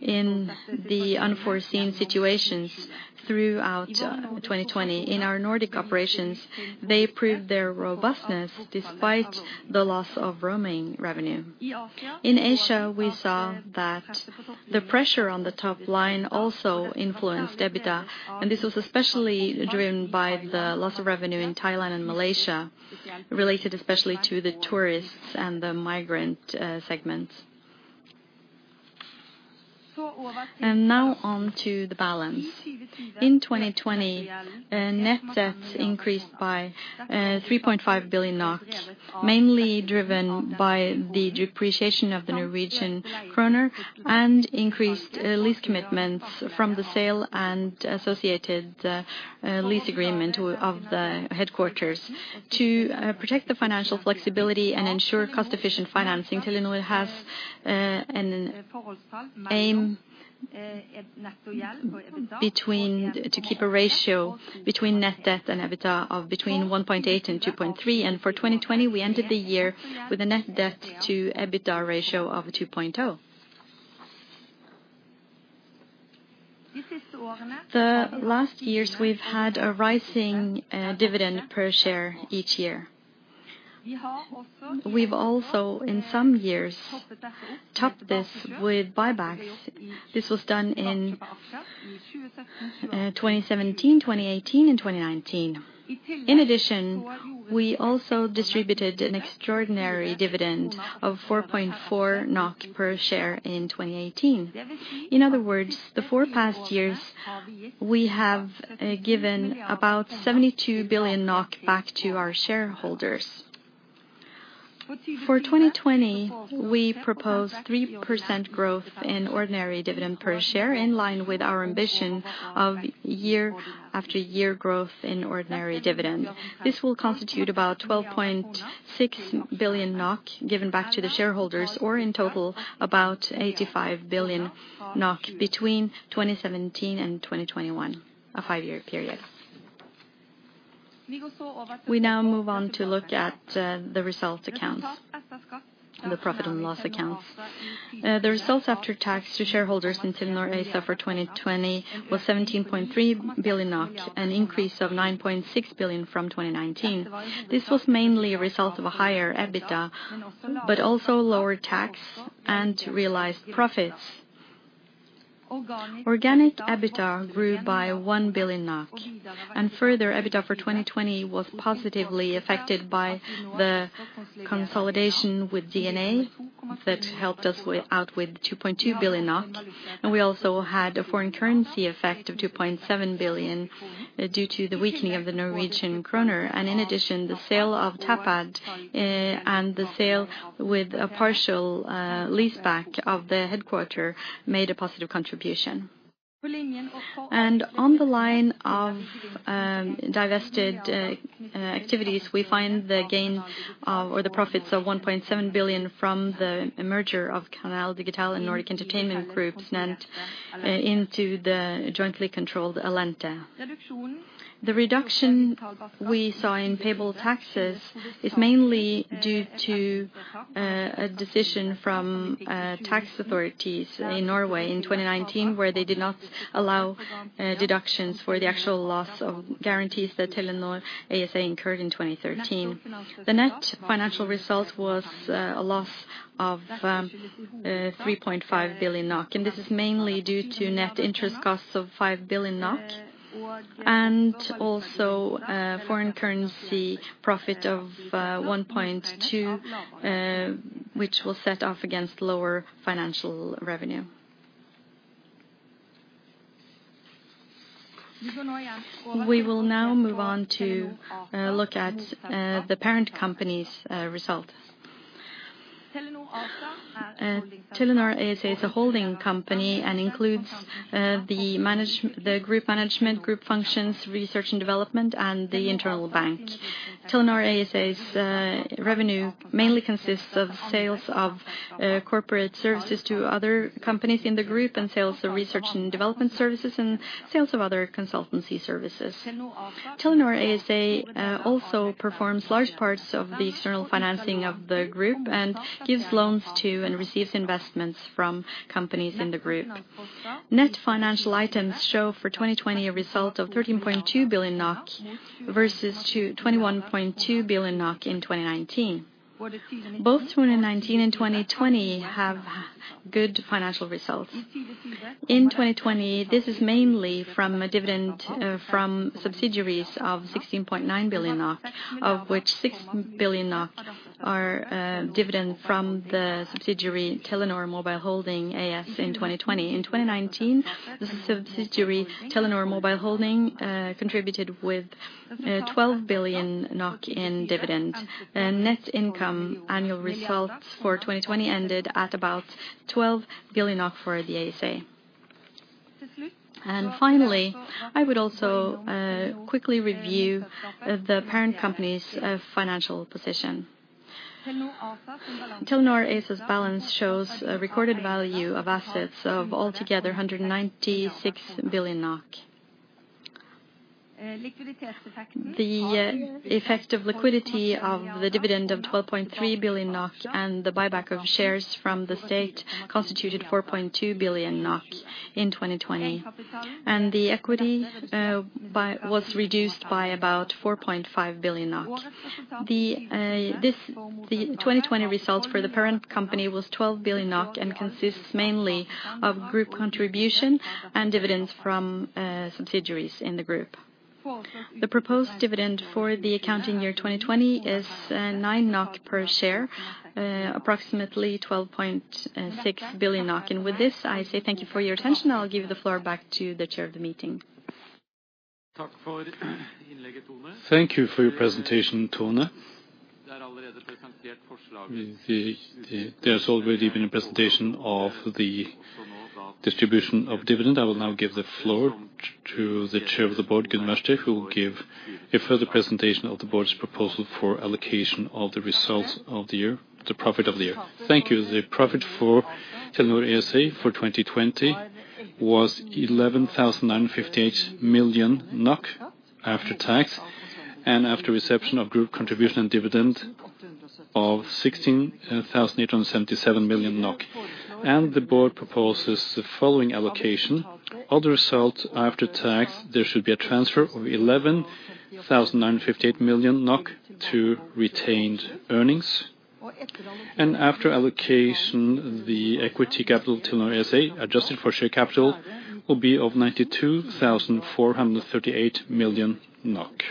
in the unforeseen situations throughout 2020. In our Nordic operations, they proved their robustness despite the loss of roaming revenue. In Asia, we saw that the pressure on the top line also influenced EBITDA, and this was especially driven by the loss of revenue in Thailand and Malaysia, related especially to the tourists and the migrant segments. Now on to the balance. In 2020, net debt increased by 3.5 billion NOK, mainly driven by the depreciation of the Norwegian kroner and increased lease commitments from the sale and associated lease agreement of the headquarters. To protect the financial flexibility and ensure cost-efficient financing, Telenor has an aim to keep a ratio between net debt and EBITDA of between 1.8 and 2.3. For 2020, we ended the year with a net debt to EBITDA ratio of 2.0. The last years we've had a rising dividend per share each year. We've also in some years topped this with buybacks. This was done in 2017, 2018, and 2019. In addition, we also distributed an extraordinary dividend of 4.4 NOK per share in 2018. In other words, the four past years we have given about 72 billion NOK back to our shareholders. For 2020, we propose 3% growth in ordinary dividend per share, in line with our ambition of year after year growth in ordinary dividend. This will constitute about 12.6 billion NOK given back to the shareholders, or in total about 85 billion NOK between 2017 and 2021, a five-year period. We now move on to look at the result accounts and the profit and loss accounts. The results after tax to shareholders in Telenor ASA for 2020 was 17.3 billion NOK, an increase of 9.6 billion from 2019. This was mainly a result of a higher EBITDA, but also lower tax and realized profits. Organic EBITDA grew by 1 billion NOK. Further, EBITDA for 2020 was positively affected by the consolidation with DNA that helped us out with 2.2 billion NOK. We also had a foreign currency effect of 2.7 billion due to the weakening of the Norwegian kroner. In addition, the sale of Tapad and the sale with a partial leaseback of the headquarter made a positive contribution. On the line of divested activities, we find the gains or the profits of 1.7 billion from the merger of Canal Digital and Nordic Entertainment Group into the jointly controlled Allente. The reduction we saw in payable taxes is mainly due to a decision from tax authorities in Norway in 2019, where they did not allow deductions for the actual loss of guarantees that Telenor ASA incurred in 2013. The net financial result was a loss of 3.5 billion NOK, and this is mainly due to net interest costs of 5 billion NOK and also a foreign currency profit of 1.2 billion, which will set off against lower financial revenue. We will now move on to look at the parent company's results. Telenor ASA is a holding company and includes the group management, group functions, research and development, and the internal bank. Telenor ASA's revenue mainly consists of sales of corporate services to other companies in the group and sales of research and development services and sales of other consultancy services. Telenor ASA also performs large parts of the external financing of the group and gives loans to and receives investments from companies in the group. Net financial items show for 2020 a result of 13.2 billion NOK versus 21.2 billion NOK in 2019. Both 2019 and 2020 have good financial results. In 2020, this is mainly from subsidiaries of 16.9 billion NOK, of which 6 billion NOK are dividends from the subsidiary Telenor Mobile Holding AS in 2020. In 2019, the subsidiary Telenor Mobile Holding contributed with 12 billion in dividends. The net income annual results for 2020 ended at about 12 billion for the ASA. Finally, I would also quickly review the parent company's financial position. Telenor ASA's balance shows a recorded value of assets of altogether 196 billion NOK. The effect of liquidity of the dividend of 12.3 billion NOK and the buyback of shares from the state constituted 4.2 billion NOK in 2020. The equity was reduced by about 4.5 billion. The 2020 results for the parent company was 12 billion NOK and consists mainly of group contribution and dividends from subsidiaries in the group. The proposed dividend for the accounting year 2020 is 9 NOK per share, approximately 12.6 billion NOK. With this, I say thank you for your attention. I'll give the floor back to the chair of the meeting. Thank you for your presentation, Tone. There's already been a presentation of the distribution of dividend. I will now give the floor to the Chair of the Board, Gunn Wærsted, who will give a further presentation of the board's proposal for allocation of the results of the year, the profit of the year. Thank you. The profit for Telenor ASA for 2020 was 11,958 million NOK after tax and after reception of group contribution and dividend of 16,877 million NOK. The board proposes the following allocation. Of the results after tax, there should be a transfer of 11,958 million NOK to retained earnings. After allocation, the equity capital Telenor ASA, adjusted for share capital, will be of 92,438 million NOK.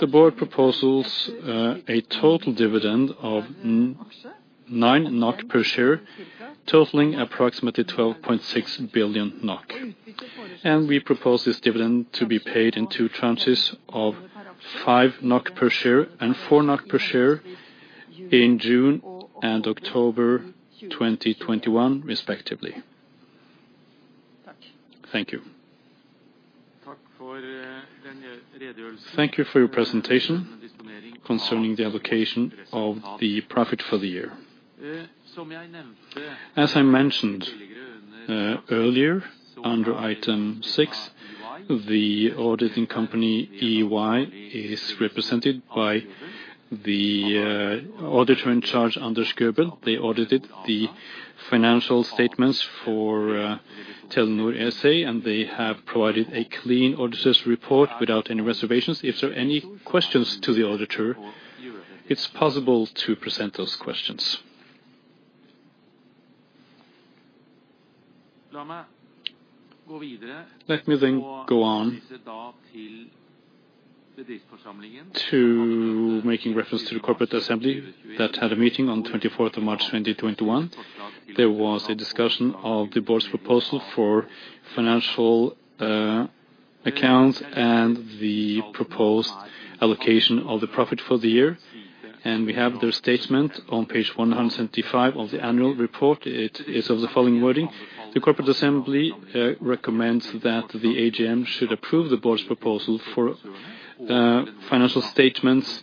The board proposes a total dividend of 9 NOK per share, totaling approximately 12.6 billion NOK. We propose this dividend to be paid in two tranches of 5 NOK per share and 4 NOK per share in June and October 2021, respectively. Thank you. Thank you for your presentation concerning the allocation of the profit for the year. As I mentioned earlier, under Item six, the auditing company EY is represented by the auditor in charge, Anders Gørvell. They audited the financial statements for Telenor ASA, and they have provided a clean auditor's report without any reservations. If there are any questions to the auditor, it's possible to present those questions. Let me go on to making reference to the corporate assembly that had a meeting on the 24th of March 2021. There was a discussion of the board's proposal for financial accounts and the proposed allocation of the profit for the year. We have their statement on page 175 of the annual report. It is of the following wording: "The corporate assembly recommends that the AGM should approve the board's proposal for financial statements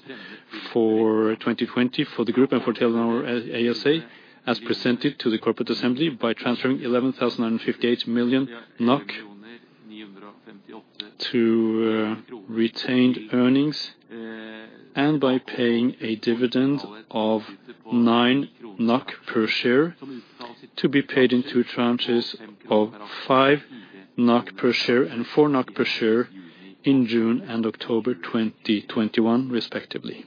for 2020 for the group and for Telenor ASA as presented to the corporate assembly by transferring 11,958 million NOK to retained earnings and by paying a dividend of NOK nine per share to be paid in two tranches of NOK five per share and 4 NOK per share in June and October 2021, respectively."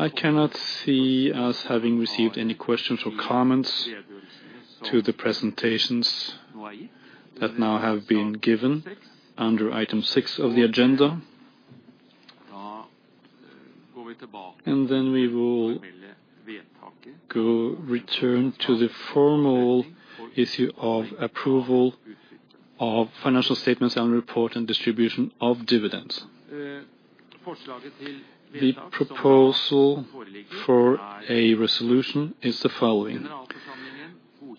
I cannot see us having received any questions or comments to the presentations that now have been given under Item six of the agenda. We will return to the formal issue of approval of financial statements and report and distribution of dividends. The proposal for a resolution is the following: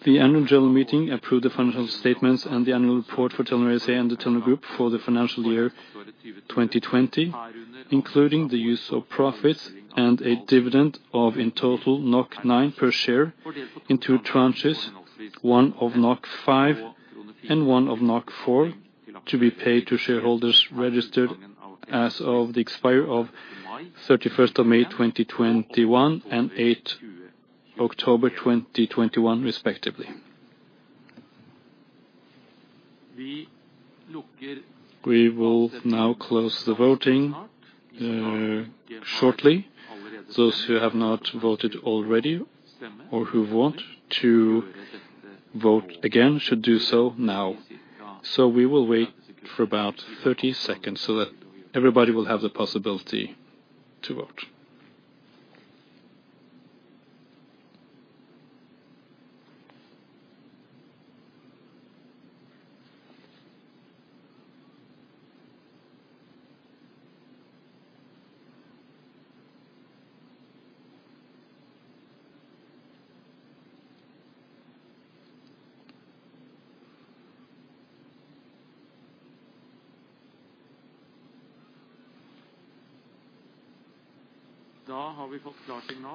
"The annual general meeting approved the financial statements and the annual report for Telenor ASA and the Telenor Group for the financial year 2020, including the use of profits and a dividend of in total 9 per share in two tranches, one of 5 and one of 4, to be paid to shareholders registered as of the expiry of May 31st, 2021 and October 8th, 2021, respectively." We will now close the voting shortly. Those who have not voted already or who want to vote again should do so now. We will wait for about 30 seconds so that everybody will have the possibility to vote.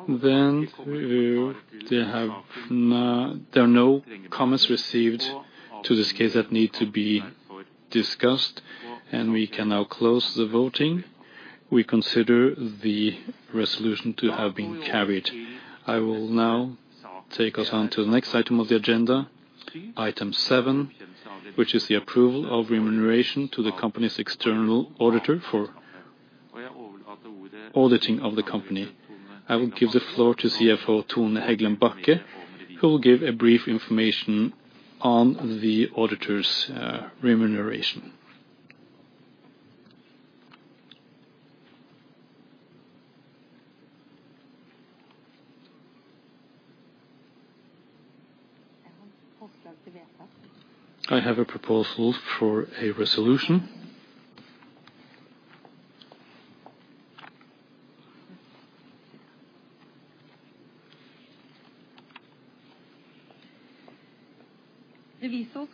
There are no comments received to this case that need to be discussed, and we can now close the voting. We consider the resolution to have been carried. I will now take us on to the next item of the agenda, Item seven, which is the approval of remuneration to the company's external auditor for auditing of the company. I will give the floor to CFO Tone Hegland Bachke, who will give a brief information on the auditor's remuneration. I have a proposal for a resolution. The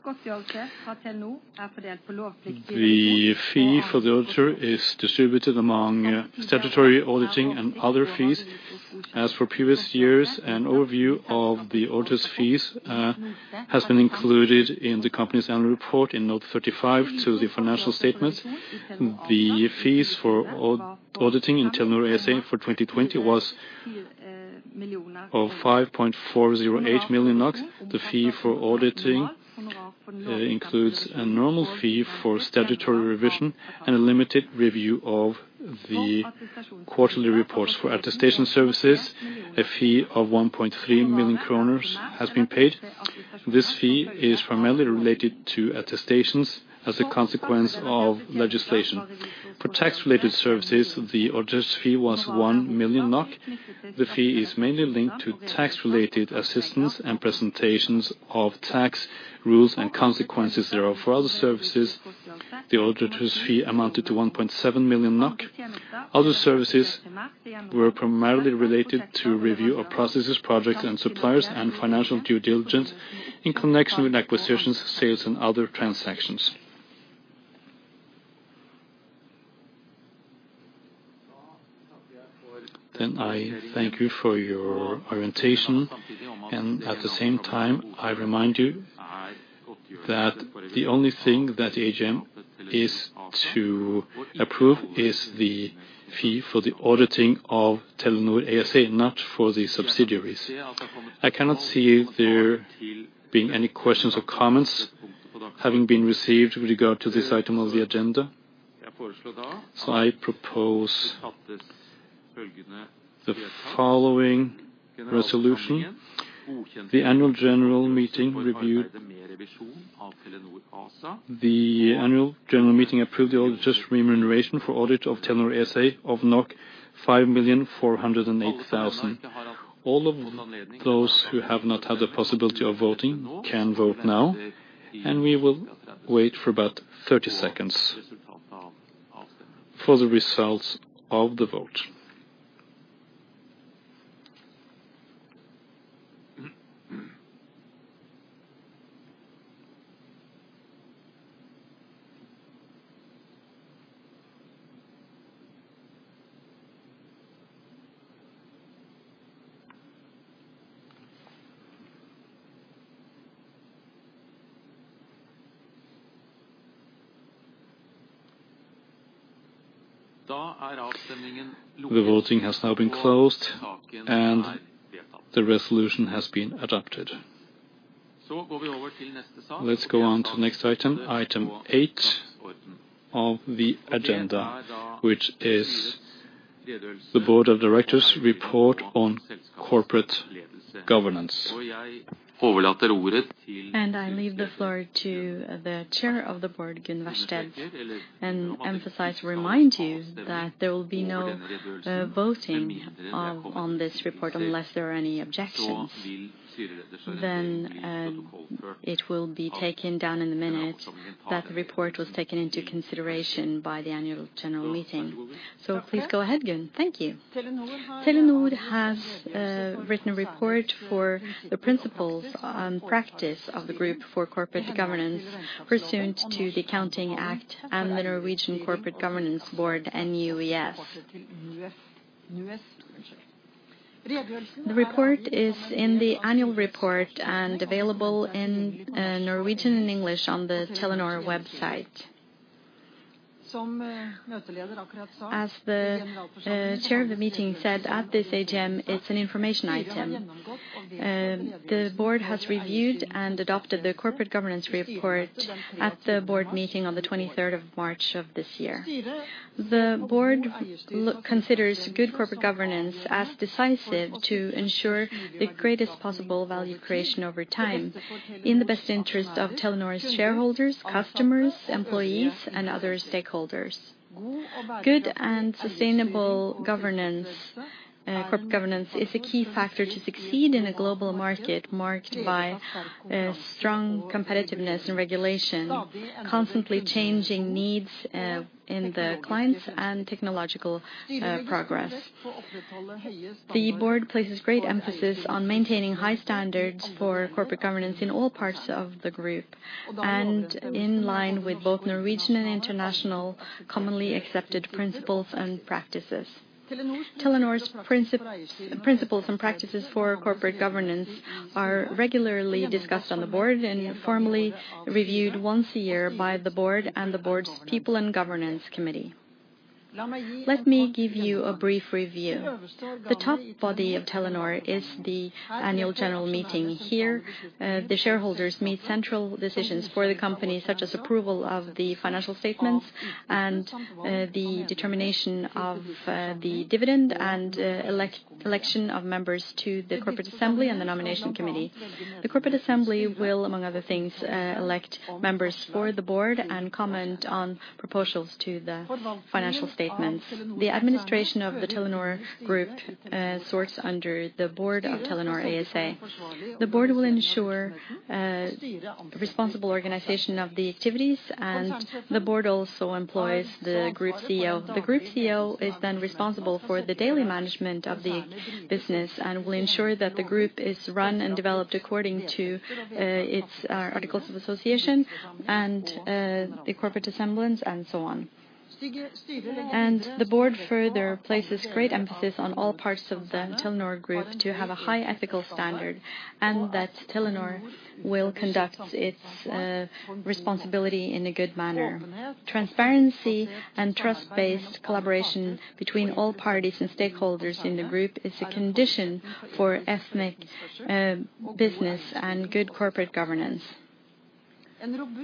fee for the auditor is distributed among statutory auditing and other fees. As for previous years, an overview of the auditor's fees has been included in the company's annual report in Note 35 to the financial statements. The fees for auditing in Telenor ASA for 2020 was 5.408 million NOK. The fee for auditing includes a normal fee for statutory revision and a limited review of the quarterly reports. For attestation services, a fee of 1.3 million kroner has been paid. This fee is primarily related to attestations as a consequence of legislation. For tax-related services, the auditor's fee was 1 million NOK. The fee is mainly linked to tax-related assistance and presentations of tax rules and consequences thereof. For other services, the auditor's fee amounted to 1.7 million NOK. Other services were primarily related to review of processes, projects, and suppliers, and financial due diligence in connection with acquisitions, sales, and other transactions. I thank you for your orientation, and at the same time, I remind you that the only thing that the AGM is to approve is the fee for the auditing of Telenor ASA, not for the subsidiaries. I cannot see there being any questions or comments having been received with regard to this item on the agenda. I propose the following resolution. The Annual General Meeting approved the auditor's remuneration for audit of Telenor ASA of 5,408,000. All of those who have not had the possibility of voting can vote now, and we will wait for about 30 seconds for the results of the vote. The voting has now been closed. The resolution has been adopted. Let's go on to the next item eight of the agenda, which is the Board of Directors' report on corporate governance. I leave the floor to the Chair of the Board, Gunn Wærsted, and emphasize, remind you that there will be no voting on this report unless there are any objections. It will be taken down in the minute that the report was taken into consideration by the Annual General Meeting. Please go ahead, Gunn. Thank you. Telenor has written a report for the principles and practice of the group for corporate governance pursuant to the Accounting Act and the Norwegian Corporate Governance Board, NUES. The report is in the annual report and available in Norwegian and English on the Telenor website. As the chair of the meeting said, at this AGM, it's an information item. The board has reviewed and adopted the corporate governance report at the board meeting on the 23rd of March of this year. The board considers good corporate governance as decisive to ensure the greatest possible value creation over time in the best interest of Telenor's shareholders, customers, employees, and other stakeholders. Good and sustainable corporate governance is a key factor to succeed in a global market marked by strong competitiveness and regulation, constantly changing needs in the clients, and technological progress. The board places great emphasis on maintaining high standards for corporate governance in all parts of the group and in line with both Norwegian and international commonly accepted principles and practices. Telenor's principles and practices for corporate governance are regularly discussed on the board and formally reviewed once a year by the board and the board's People and Compensation Committee. Let me give you a brief review. The top body of Telenor is the annual general meeting. Here, the shareholders made central decisions for the company, such as approval of the financial statements and the determination of the dividend and election of members to the Corporate Assembly and the Nomination Committee. The Corporate Assembly will, among other things, elect members for the board and comment on proposals to the financial statements. The administration of the Telenor Group serves under the board of Telenor ASA. The board will ensure responsible organization of the activities, and the board also employs the group CEO. The group CEO is then responsible for the daily management of the business and will ensure that the group is run and developed according to its articles of association and the corporate assemblies and so on. The board further places great emphasis on all parts of the Telenor Group to have a high ethical standard and that Telenor will conduct its responsibility in a good manner. Transparency and trust-based collaboration between all parties and stakeholders in the group is a condition for ethical business and good corporate governance.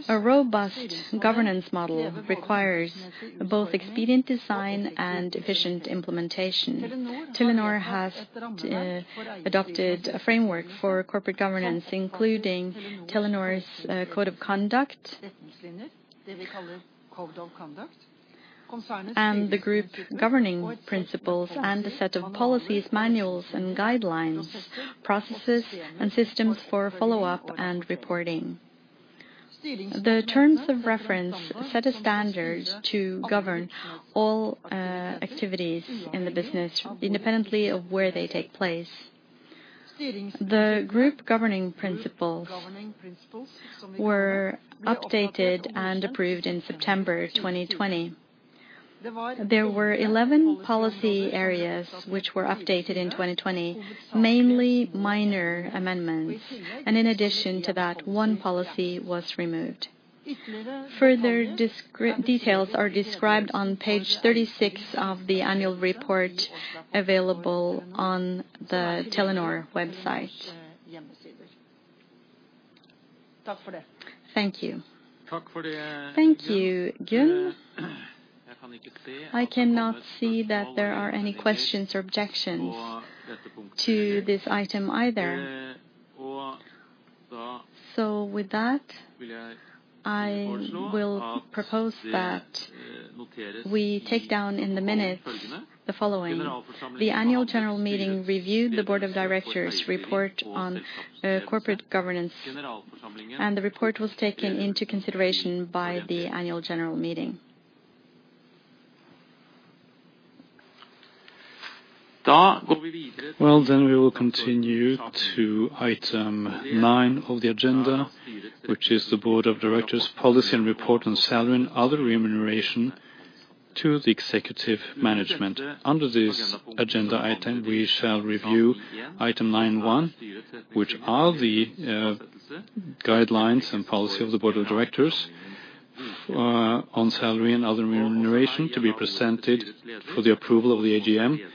A robust governance model requires both expedient design and efficient implementation. Telenor has adopted a framework for corporate governance, including Telenor's Code of Conduct, and the group's governing principles, and a set of policies, manuals and guidelines, processes, and systems for follow-up and reporting. The terms of reference set a standard to govern all activities in the business, independently of where they take place. The group governing principles were updated and approved in September 2020. There were 11 policy areas which were updated in 2020, mainly minor amendments. In addition to that, one policy was removed. Further details are described on page 36 of the annual report available on the Telenor website. Thank you. Thank you, Gunn. I cannot see that there are any questions or objections to this item either. With that, I will propose that we take down in the minutes the following. The Annual General Meeting reviewed the Board of Directors' report on corporate governance, and the report was taken into consideration by the Annual General Meeting. We will continue to item nine of the agenda, which is the Board of Directors' policy and report on salary and other remuneration to the executive management. Under this agenda item, we shall review item 9.1, which are the guidelines and policy of the Board of Directors on salary and other remuneration to be presented for the approval of the AGM.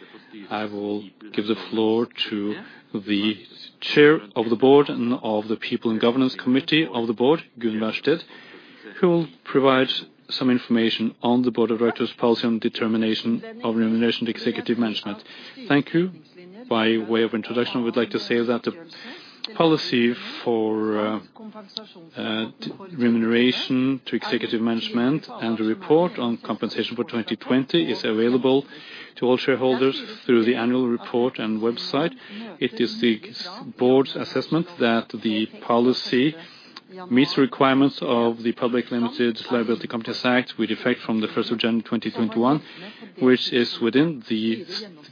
I will give the floor to the chair of the board and of the People and Compensation Committee of the board, Gunn Wærsted, who will provide some information on the board of directors' policy on determination of remuneration of the executive management. Thank you. By way of introduction, I would like to say that the policy for remuneration to executive management and the report on compensation for 2020 is available to all shareholders through the annual report and website. It is the board's assessment that the policy meets the requirements of the Public Limited Liability Companies Act with effect from the June 1st, 2021, which is within the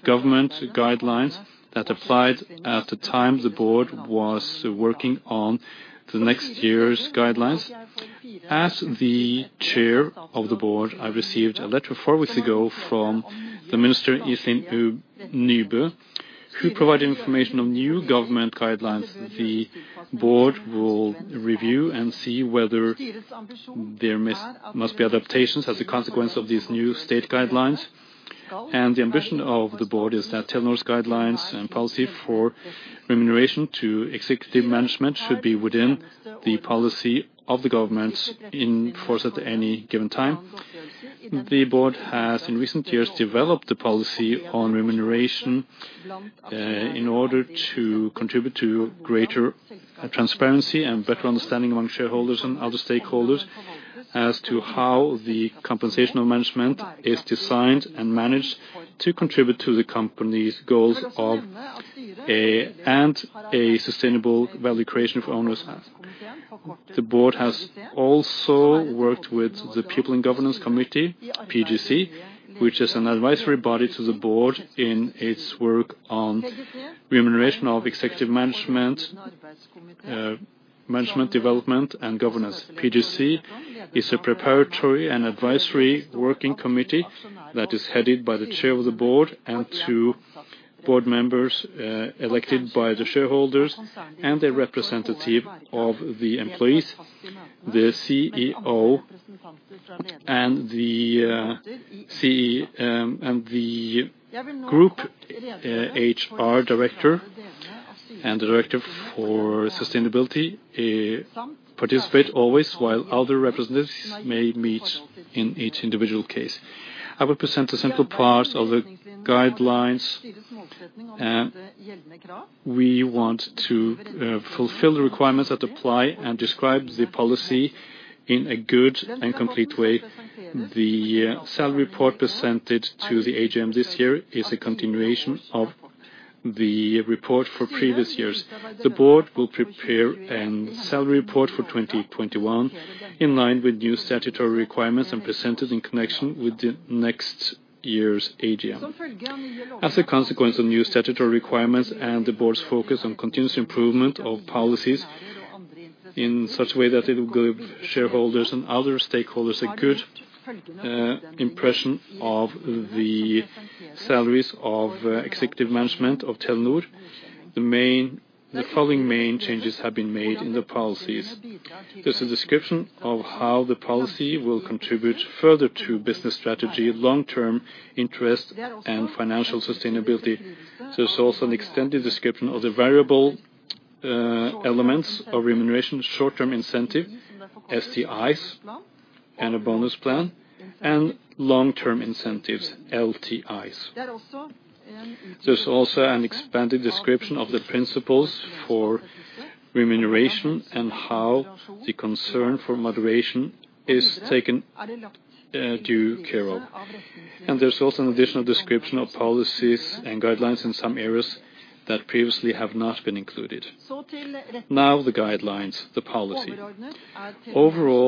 government guidelines that applied at the time the board was working on the next year's guidelines. As the chair of the board, I received a letter four weeks ago from the Minister Iselin Nybø, who provided information on new government guidelines. The board will review and see whether there must be adaptations as a consequence of these new state guidelines. The ambition of the board is that Telenor's guidelines and policy for remuneration to executive management should be within the policy of the government in force at any given time. The board has in recent years developed a policy on remuneration in order to contribute to greater transparency and better understanding among shareholders and other stakeholders as to how the compensation of management is designed and managed to contribute to the company's goals and a sustainable valuation for owners. The board has also worked with the People and Compensation Committee, PGC, which is an advisory body to the board in its work on remuneration of executive management development, and governance. PGC is a preparatory and advisory working committee that is headed by the Chair of the Board and two Board members elected by the shareholders and a representative of the employees. The CEO and the Group HR Director and Director for Sustainability participate always, while other representatives may meet in each individual case. I will present a central part of the guidelines. We want to fulfill the requirements that apply and describe the policy in a good and complete way. The salary report presented to the AGM this year is a continuation of the report for previous years. The Board will prepare a salary report for 2021 in line with new statutory requirements and present it in connection with the next year's AGM. As a consequence of new statutory requirements and the board's focus on continuous improvement of policies in such a way that it will give shareholders and other stakeholders a good impression of the salaries of executive management of Telenor, the following main changes have been made in the policies. There's a description of how the policy will contribute further to business strategy, long-term interest, and financial sustainability. There's also an extended description of the variable elements of remuneration, short-term incentive, STIs, and a bonus plan, and long-term incentives, LTIs. There's also an expanded description of the principles for remuneration and how the concern for moderation is taken due care of. There's also an additional description of policies and guidelines in some areas that previously have not been included. Overall,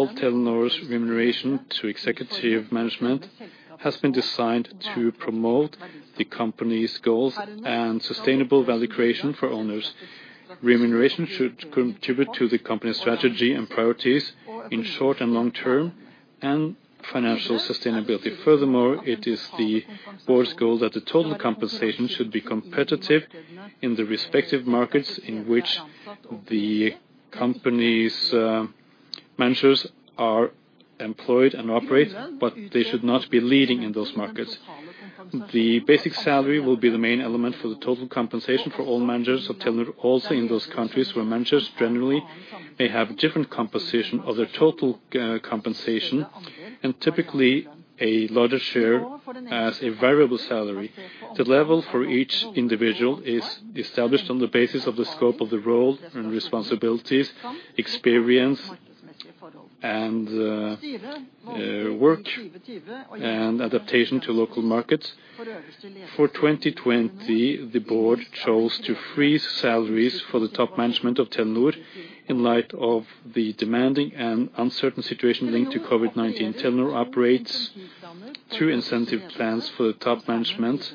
Telenor's remuneration to executive management has been designed to promote the company's goals and sustainable value creation for owners. Remuneration should contribute to the company strategy and priorities in short and long-term and financial sustainability. Furthermore, it is the board's goal that the total compensation should be competitive in the respective markets in which the company's managers are employed and operate, but they should not be leading in those markets. The basic salary will be the main element for the total compensation for all managers of Telenor, also in those countries where managers generally may have different composition of their total compensation and typically a larger share as a variable salary. The level for each individual is established on the basis of the scope of the role and responsibilities, experience, and work, and adaptation to local markets. For 2020, the board chose to freeze salaries for the top management of Telenor. In light of the demanding and uncertain situation linked to COVID-19. Telenor operates two incentive plans for the top management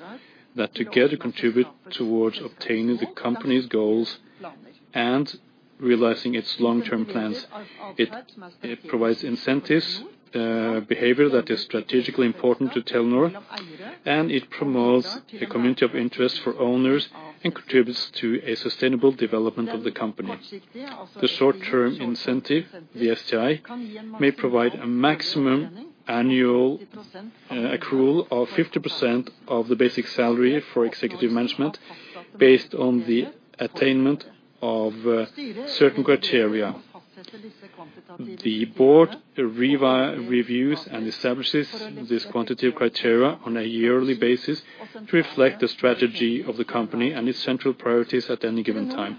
that together contribute towards obtaining the company's goals and realizing its long-term plans. It provides incentives, behavior that is strategically important to Telenor, and it promotes a community of interest for owners and contributes to a sustainable development of the company. The short-term incentive, the STI, may provide a maximum annual accrual of 50% of the basic salary for executive management based on the attainment of certain criteria. The board reviews and establishes this quantitative criteria on a yearly basis to reflect the strategy of the company and its central priorities at any given time.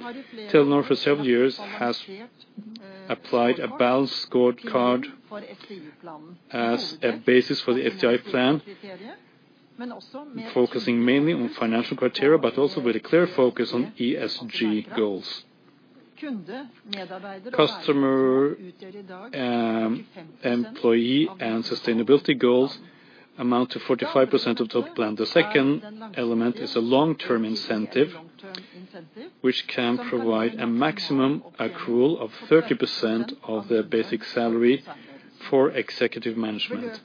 Telenor for several years has applied a Balanced Scorecard as a basis for the STI plan, focusing mainly on financial criteria, but also with a clear focus on ESG goals. Customer, employee, and sustainability goals amount to 45% of total plan. The second element is a long-term incentive, which can provide a maximum accrual of 30% of their basic salary for executive management.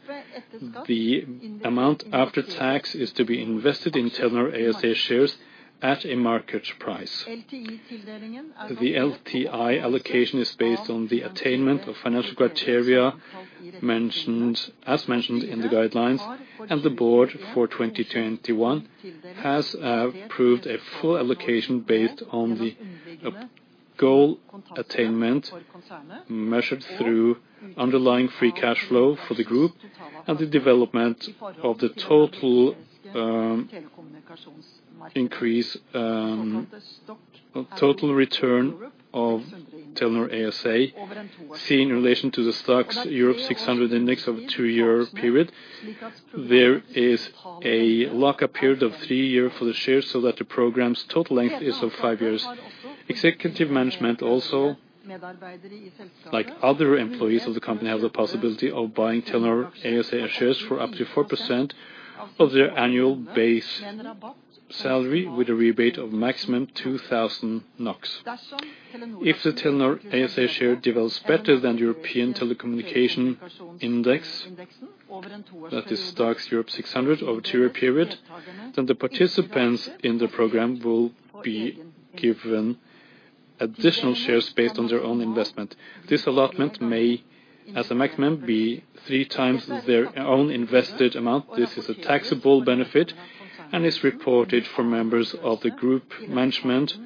The amount after tax is to be invested in Telenor ASA shares at a market price. The LTI allocation is based on the attainment of financial criteria as mentioned in the guidelines, and the board for 2021 has approved a full allocation based on the goal attainment measured through underlying free cash flow for the group and the development of the total return of Telenor ASA seen in relation to the STOXX Europe 600 index over a two-year period. There is a lock-up period of three years for the shares so that the program's total length is of five years. Executive management also, like other employees of the company, have the possibility of buying Telenor ASA shares for up to 4% of their annual base salary with a rebate of maximum 2,000 NOK. If the Telenor ASA share develops better than European Telecommunication Index, that is STOXX Europe 600 over a two year period, the participants in the program will be given additional shares based on their own investment. This allotment may, as a maximum, be three times their own invested amount. This is a taxable benefit and is reported for members of the group management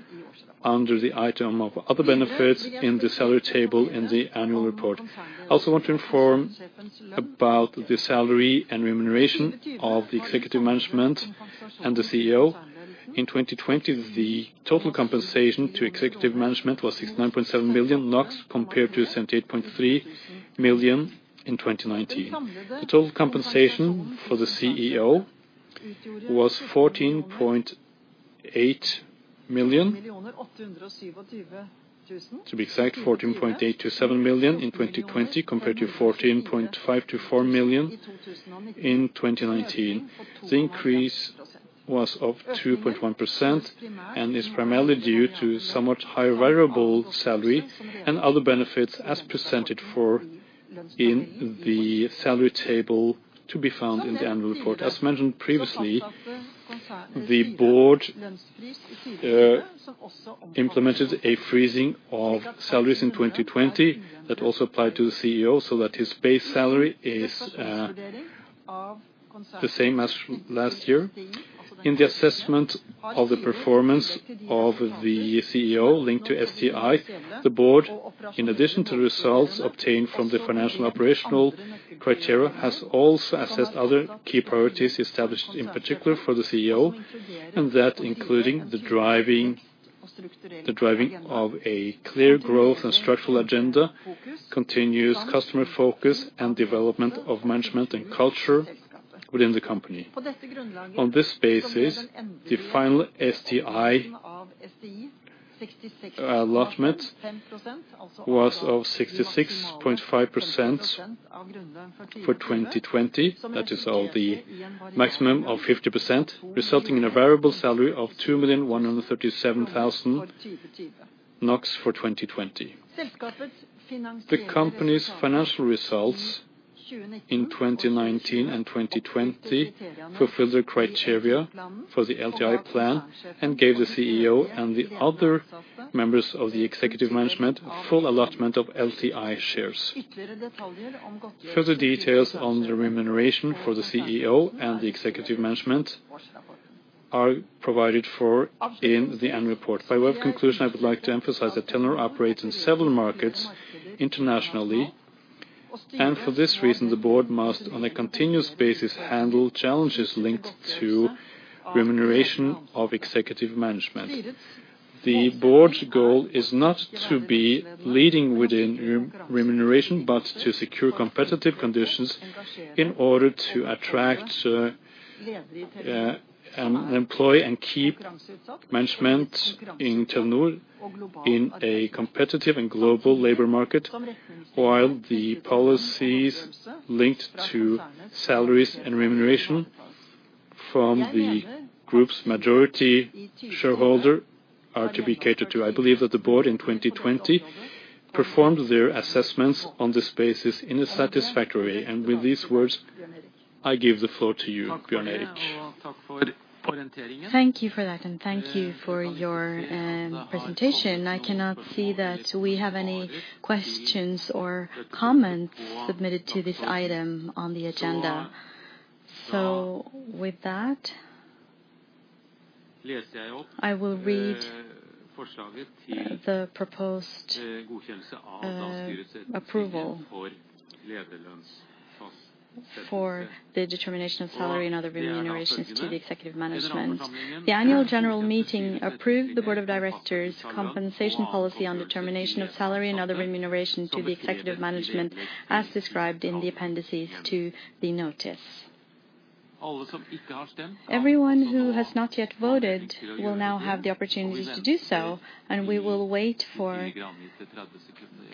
under the item of other benefits in the salary table in the annual report. I also want to inform about the salary and remuneration of the executive management and the CEO. In 2020, the total compensation to executive management was 697 million NOK, compared to 78.3 million in 2019. The total compensation for the CEO was 14.8 million. To be exact, 14.827 million in 2020 compared to 14.524 million in 2019. The increase was of 2.1% and is primarily due to somewhat higher variable salary and other benefits as presented for in the salary table to be found in the annual report. As mentioned previously, the board implemented a freezing of salaries in 2020. That also applied to the CEO, so that his base salary is the same as last year. In the assessment of the performance of the CEO linked to STI, the board, in addition to results obtained from the financial operational criteria, has also assessed other key priorities established in particular for the CEO, including the driving of a clear growth and structural agenda, continuous customer focus, and development of management and culture within the company. On this basis, the final STI allotment was of 66.5% for 2020. That is of the maximum of 50%, resulting in a variable salary of 2,137,000 NOK for 2020. The company's financial results in 2019 and 2020 fulfilled the criteria for the LTI plan and gave the CEO and the other members of the executive management full allotment of LTI shares. Further details on the remuneration for the CEO and the executive management are provided for in the annual report. By way of conclusion, I would like to emphasize that Telenor operates in several markets internationally, and for this reason, the board must, on a continuous basis, handle challenges linked to remuneration of executive management. The board's goal is not to be leading within remuneration, but to secure competitive conditions in order to attract, employ, and keep management in Telenor in a competitive and global labor market while the policies linked to salaries and remuneration from the group's majority shareholder are to be catered to. I believe that the board in 2020 performed their assessments on this basis in a satisfactory. With these words, I give the floor to you, Bjørn Erik. Thank you for that, thank you for your presentation. I cannot see that we have any questions or comments submitted to this item on the agenda. With that, I will read the proposed approval for the determination of salary and other remunerations to the executive management. The annual general meeting approved the Board of Directors compensation policy on the determination of salary and other remunerations to the executive management as described in the appendices to the notice. Everyone who has not yet voted will now have the opportunity to do so, and we will wait for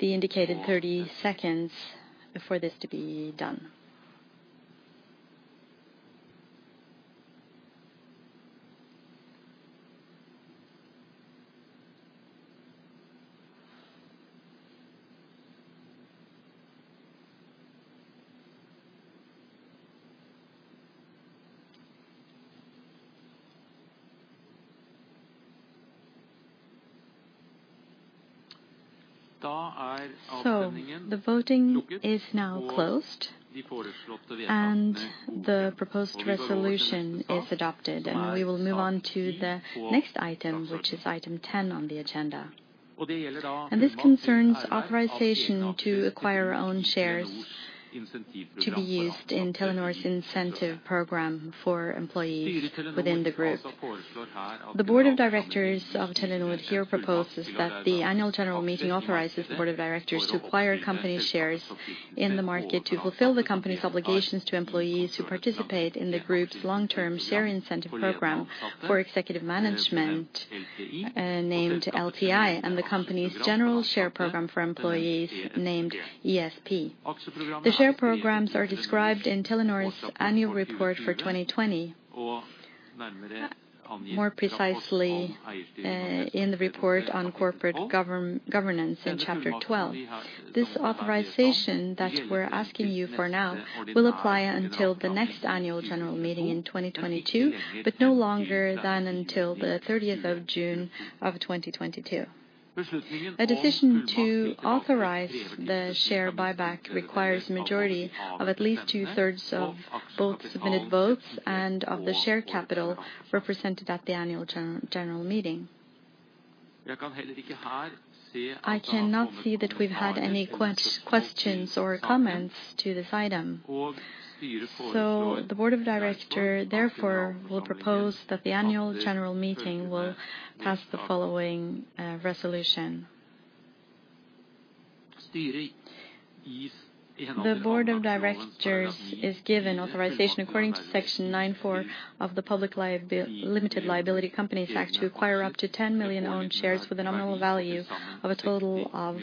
the indicated 30 seconds for this to be done. The voting is now closed, and the proposed resolution is adopted, and we will move on to the next item, which is item 10 on the agenda. This concerns authorization to acquire own shares to be used in Telenor's incentive program for employees within the Group. The Board of Directors of Telenor here proposes that the Annual General Meeting authorizes the Board of Directors to acquire company shares in the market to fulfill the company's obligations to employees who participate in the Group's long-term share incentive program for executive management, named LTI, and the company's general share program for employees, named ESP. The share programs are described in Telenor's annual report for 2020, more precisely, in the report on corporate governance in chapter 12. This authorization that we're asking you for now will apply until the next Annual General Meeting in 2022, but no longer than until the June 30th, 2022. The decision to authorize the share buyback requires a majority of at least 2/3 of both submitted votes and of the share capital represented at the annual general meeting. I cannot see that we've had any questions or comments to this item. The board of directors, therefore, will propose that the annual general meeting will pass the following resolution. The board of directors is given authorization according to Section 9 (4) of the Public Limited Liability Companies Act to acquire up to 10 million own shares with a nominal value of a total of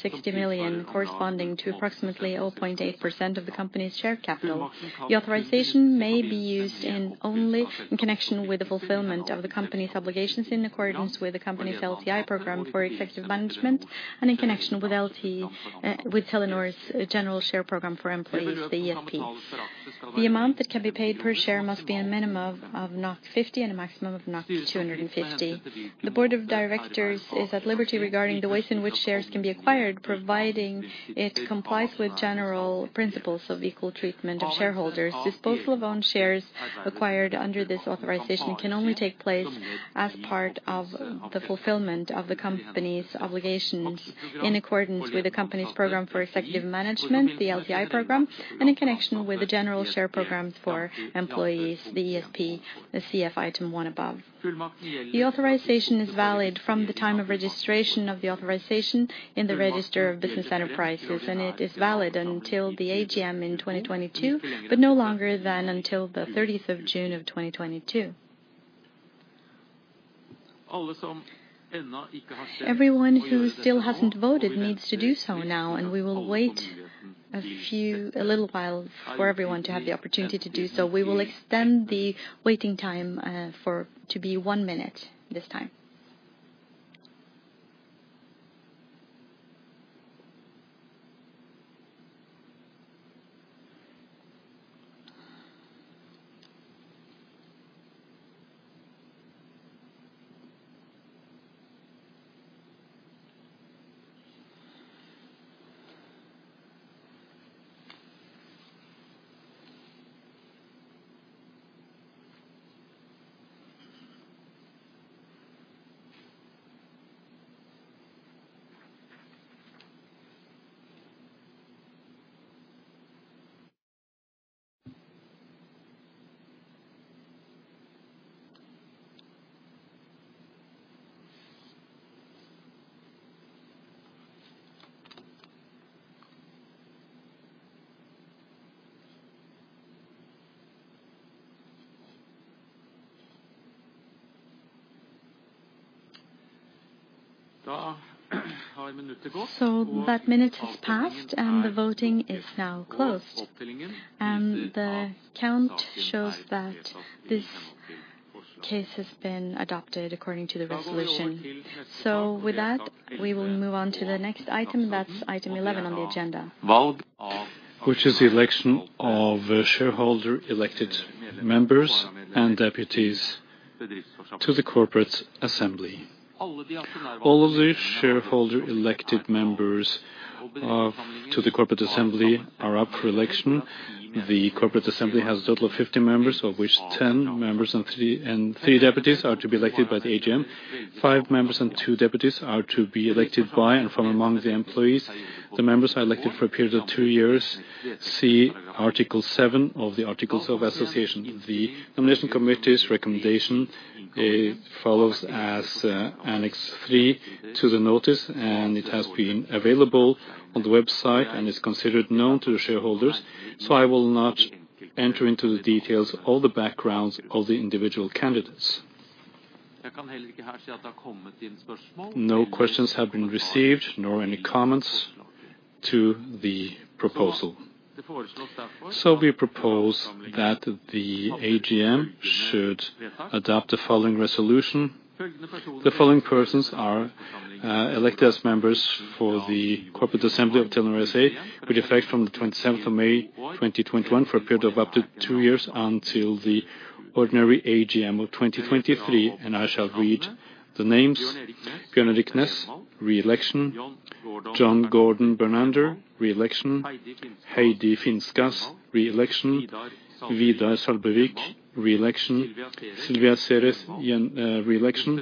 60 million, corresponding to approximately 0.8% of the company's share capital. The authorization may be used only in connection with the fulfillment of the company's obligations in accordance with the company's LTI program for executive management and in connection with Telenor's general share program for employees, the ESP. The amount that can be paid per share must be a minimum of 50 and a maximum of 250. The board of directors is at liberty regarding the way in which shares can be acquired, providing it complies with general principles of equal treatment of shareholders. Disposal of own shares acquired under this authorization can only take place as part of the fulfillment of the company's obligations in accordance with the company's program for executive management, the LTI program, and in connection with the general share program for employees, the ESP, the two above. The authorization is valid from the time of registration of the authorization in the register of business enterprises. It is valid until the AGM in 2022, but no longer than until the June 30th, 2022. Everyone who still hasn't voted needs to do so now. We will wait a little while for everyone to have the opportunity to do so. We will extend the waiting time to be one minute this time. That minute has passed. The voting is now closed. The count shows that this case has been adopted according to the resolution. With that, we will move on to the next item. That's item 11 on the agenda. Which is the election of shareholder-elected members and deputies to the corporate assembly. All of the shareholder-elected members to the corporate assembly are up for election. The corporate assembly has a total of 50 members, of which 10 members and three deputies are to be elected by the AGM. Five members and two deputies are to be elected by and from among the employees. The members are elected for a period of two years, see Article 7 of the Articles of Association. The Nomination Committee's recommendation follows as Annex three to the notice, and it has been available on the website and is considered known to the shareholders, so I will not enter into the details or the backgrounds of the individual candidates. No questions have been received, nor any comments to the proposal. We propose that the AGM should adopt the following resolution. The following persons are elected as members for the corporate assembly of Telenor ASA with effect from the May 27th, 2021, for a period of up to two years until the ordinary AGM of 2023. I shall read the names. Bjørn Erik Næss, reelection. John Gordon Bernander, reelection. Heidi Finstad, reelection. Widar Salbuvik, reelection. Silvija Seres, reelection.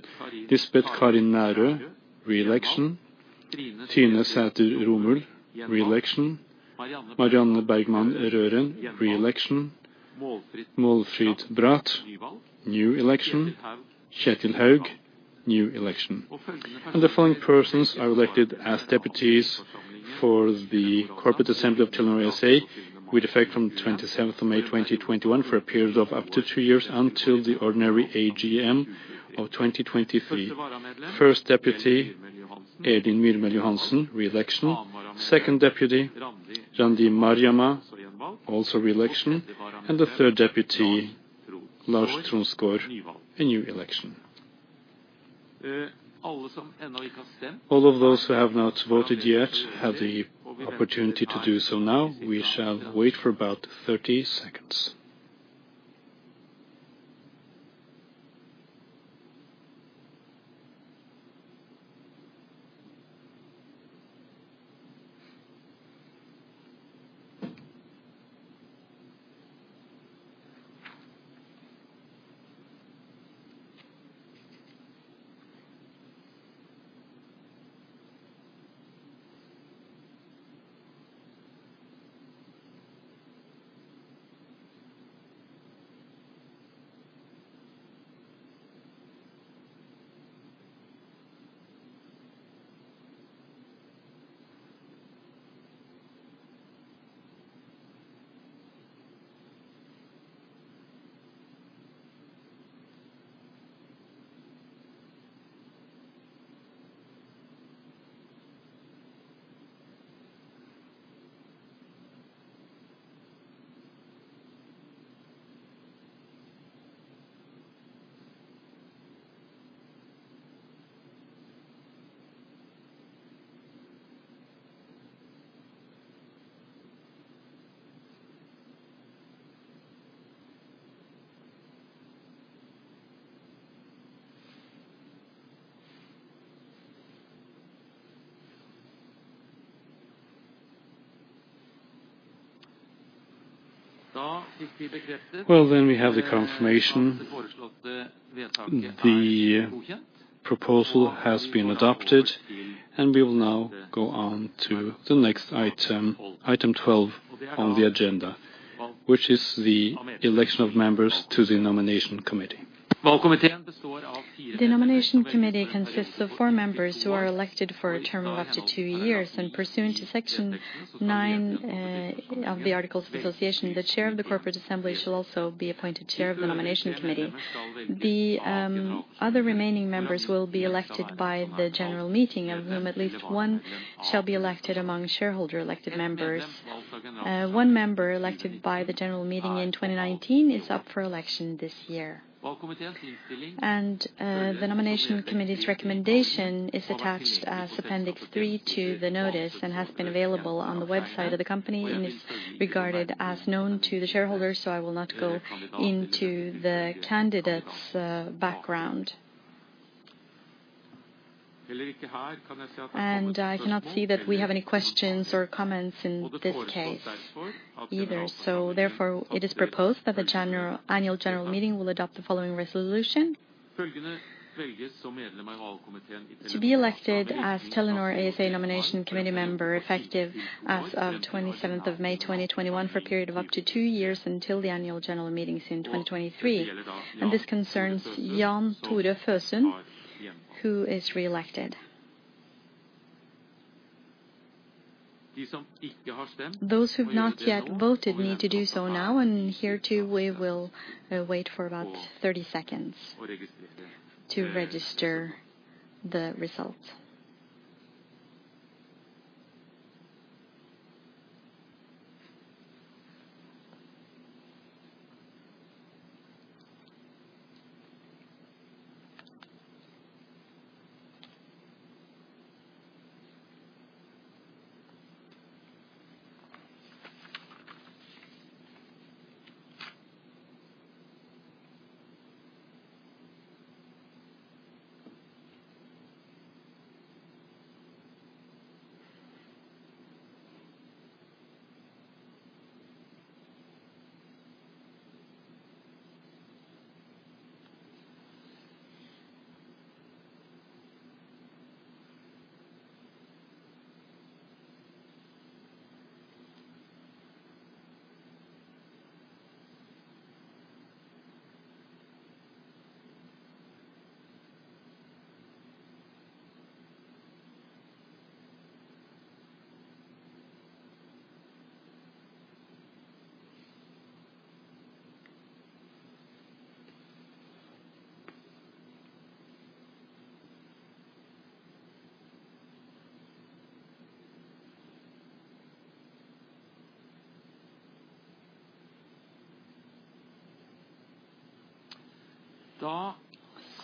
Lisbeth Karin Nærø, reelection. Tine Sethe Romøren, reelection. Marianne Bergmann Røren, reelection. Maalfrid Brath, new election. Kjetil Houg, new election. The following persons are elected as deputies for the corporate assembly of Telenor ASA with effect from the May 27th, 2021, for a period of up to two years until the ordinary AGM of 2023. First deputy, Elin Myrmel-Johansen, reelection. Second deputy, Randi Marjamaa, also reelection, and the third deputy, Lars Tronsgaard, a new election. All of those who have not voted yet have the opportunity to do so now. We shall wait for about 30 seconds. Well, we have the confirmation. The proposal has been adopted. We will now go on to the next item 12 on the agenda, which is the election of members to the Nomination Committee. The Nomination Committee consists of four members who are elected for a term of up to two years. Pursuant to Section nine of the articles of association, the Chair of the Corporate Assembly shall also be appointed Chair of the Nomination Committee. The other remaining members will be elected by the general meeting, of whom at least one shall be elected among shareholder-elected members. One member elected by the general meeting in 2019 is up for election this year. The Nomination Committee's recommendation is attached as Appendix three to the notice and has been available on the website of the company and is regarded as known to the shareholders. I will not go into the candidate's background. I do not see that we have any questions or comments in this case either. Therefore, it is proposed that the annual general meeting will adopt the following resolution. To be elected as Telenor ASA nomination committee member effective as of May 27th, 2021 for a period of up to two years until the annual general meetings in 2023, this concerns Jan Tore Føsund, who is reelected. Those who have not yet voted need to do so now, here too, we will wait for about 30 seconds to register the results.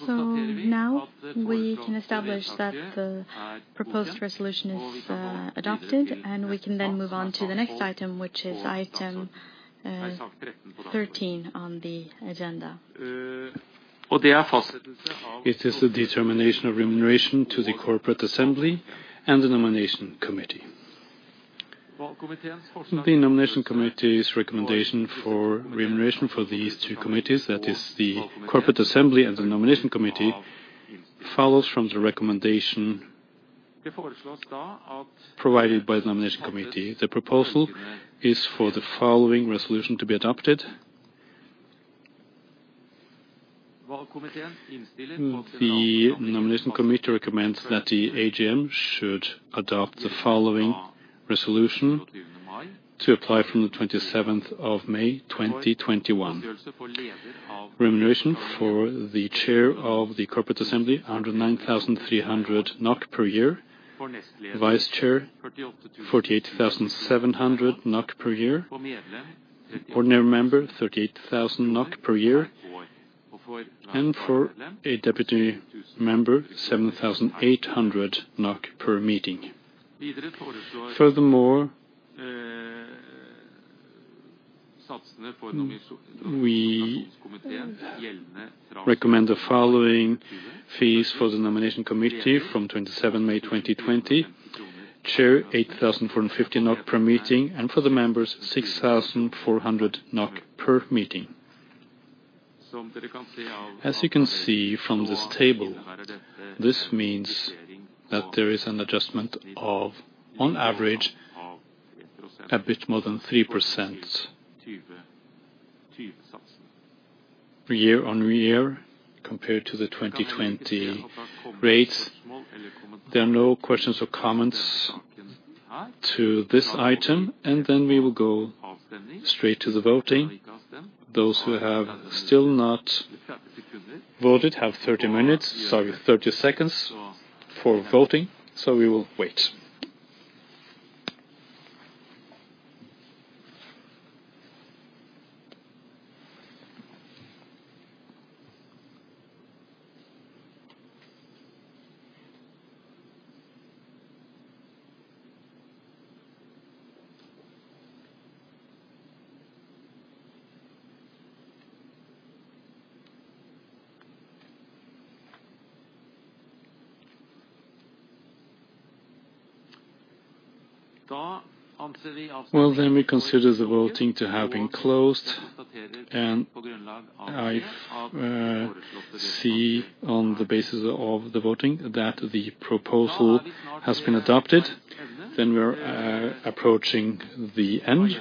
Now we can establish that the proposed resolution is adopted, we can then move on to the next item, which is item 13 on the agenda. It is the determination of remuneration to the corporate assembly and the nomination committee. The nomination committee's recommendation for remuneration for these two committees, that is the corporate assembly and the nomination committee, follows from the recommendation provided by the nomination committee. The proposal is for the following resolution to be adopted. The nomination committee recommends that the AGM should adopt the following resolution to apply from May 27th, 2021. Remuneration for the Chair of the Corporate Assembly, 109,300 NOK per year. Vice Chair, 48,700 NOK per year. Ordinary member, 38,000 NOK per year. For a deputy member, 7,800 NOK per meeting. We recommend the following fees for the nomination committee from May 27th, 2020. Chair, 8,450 NOK per meeting, and for the members, 6,400 NOK per meeting. As you can see from this table, this means that there is an adjustment of, on average, a bit more than 3% year-on-year compared to the 2020 rates. There are no questions or comments to this item, then we will go straight to the voting. Those who have still not voted have 30 seconds for voting. We will wait. Well, we consider the voting to have been closed. I see on the basis of the voting that the proposal has been adopted. We are approaching the end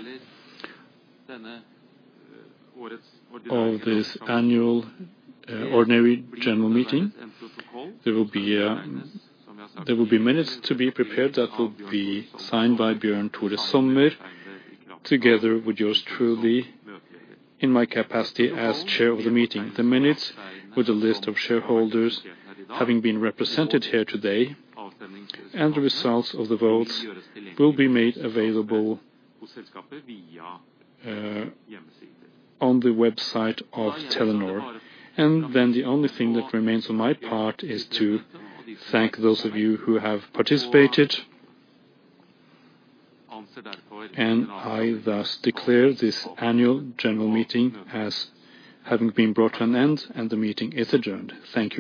of this annual ordinary general meeting. There will be minutes to be prepared that will be signed by Bjørn Tore Sommer together with yours truly, in my capacity as chair of the meeting. The minutes with a list of shareholders having been represented here today and the results of the votes will be made available on the website of Telenor. The only thing that remains on my part is to thank those of you who have participated, and I thus declare this annual general meeting as having been brought to an end, and the meeting is adjourned. Thank you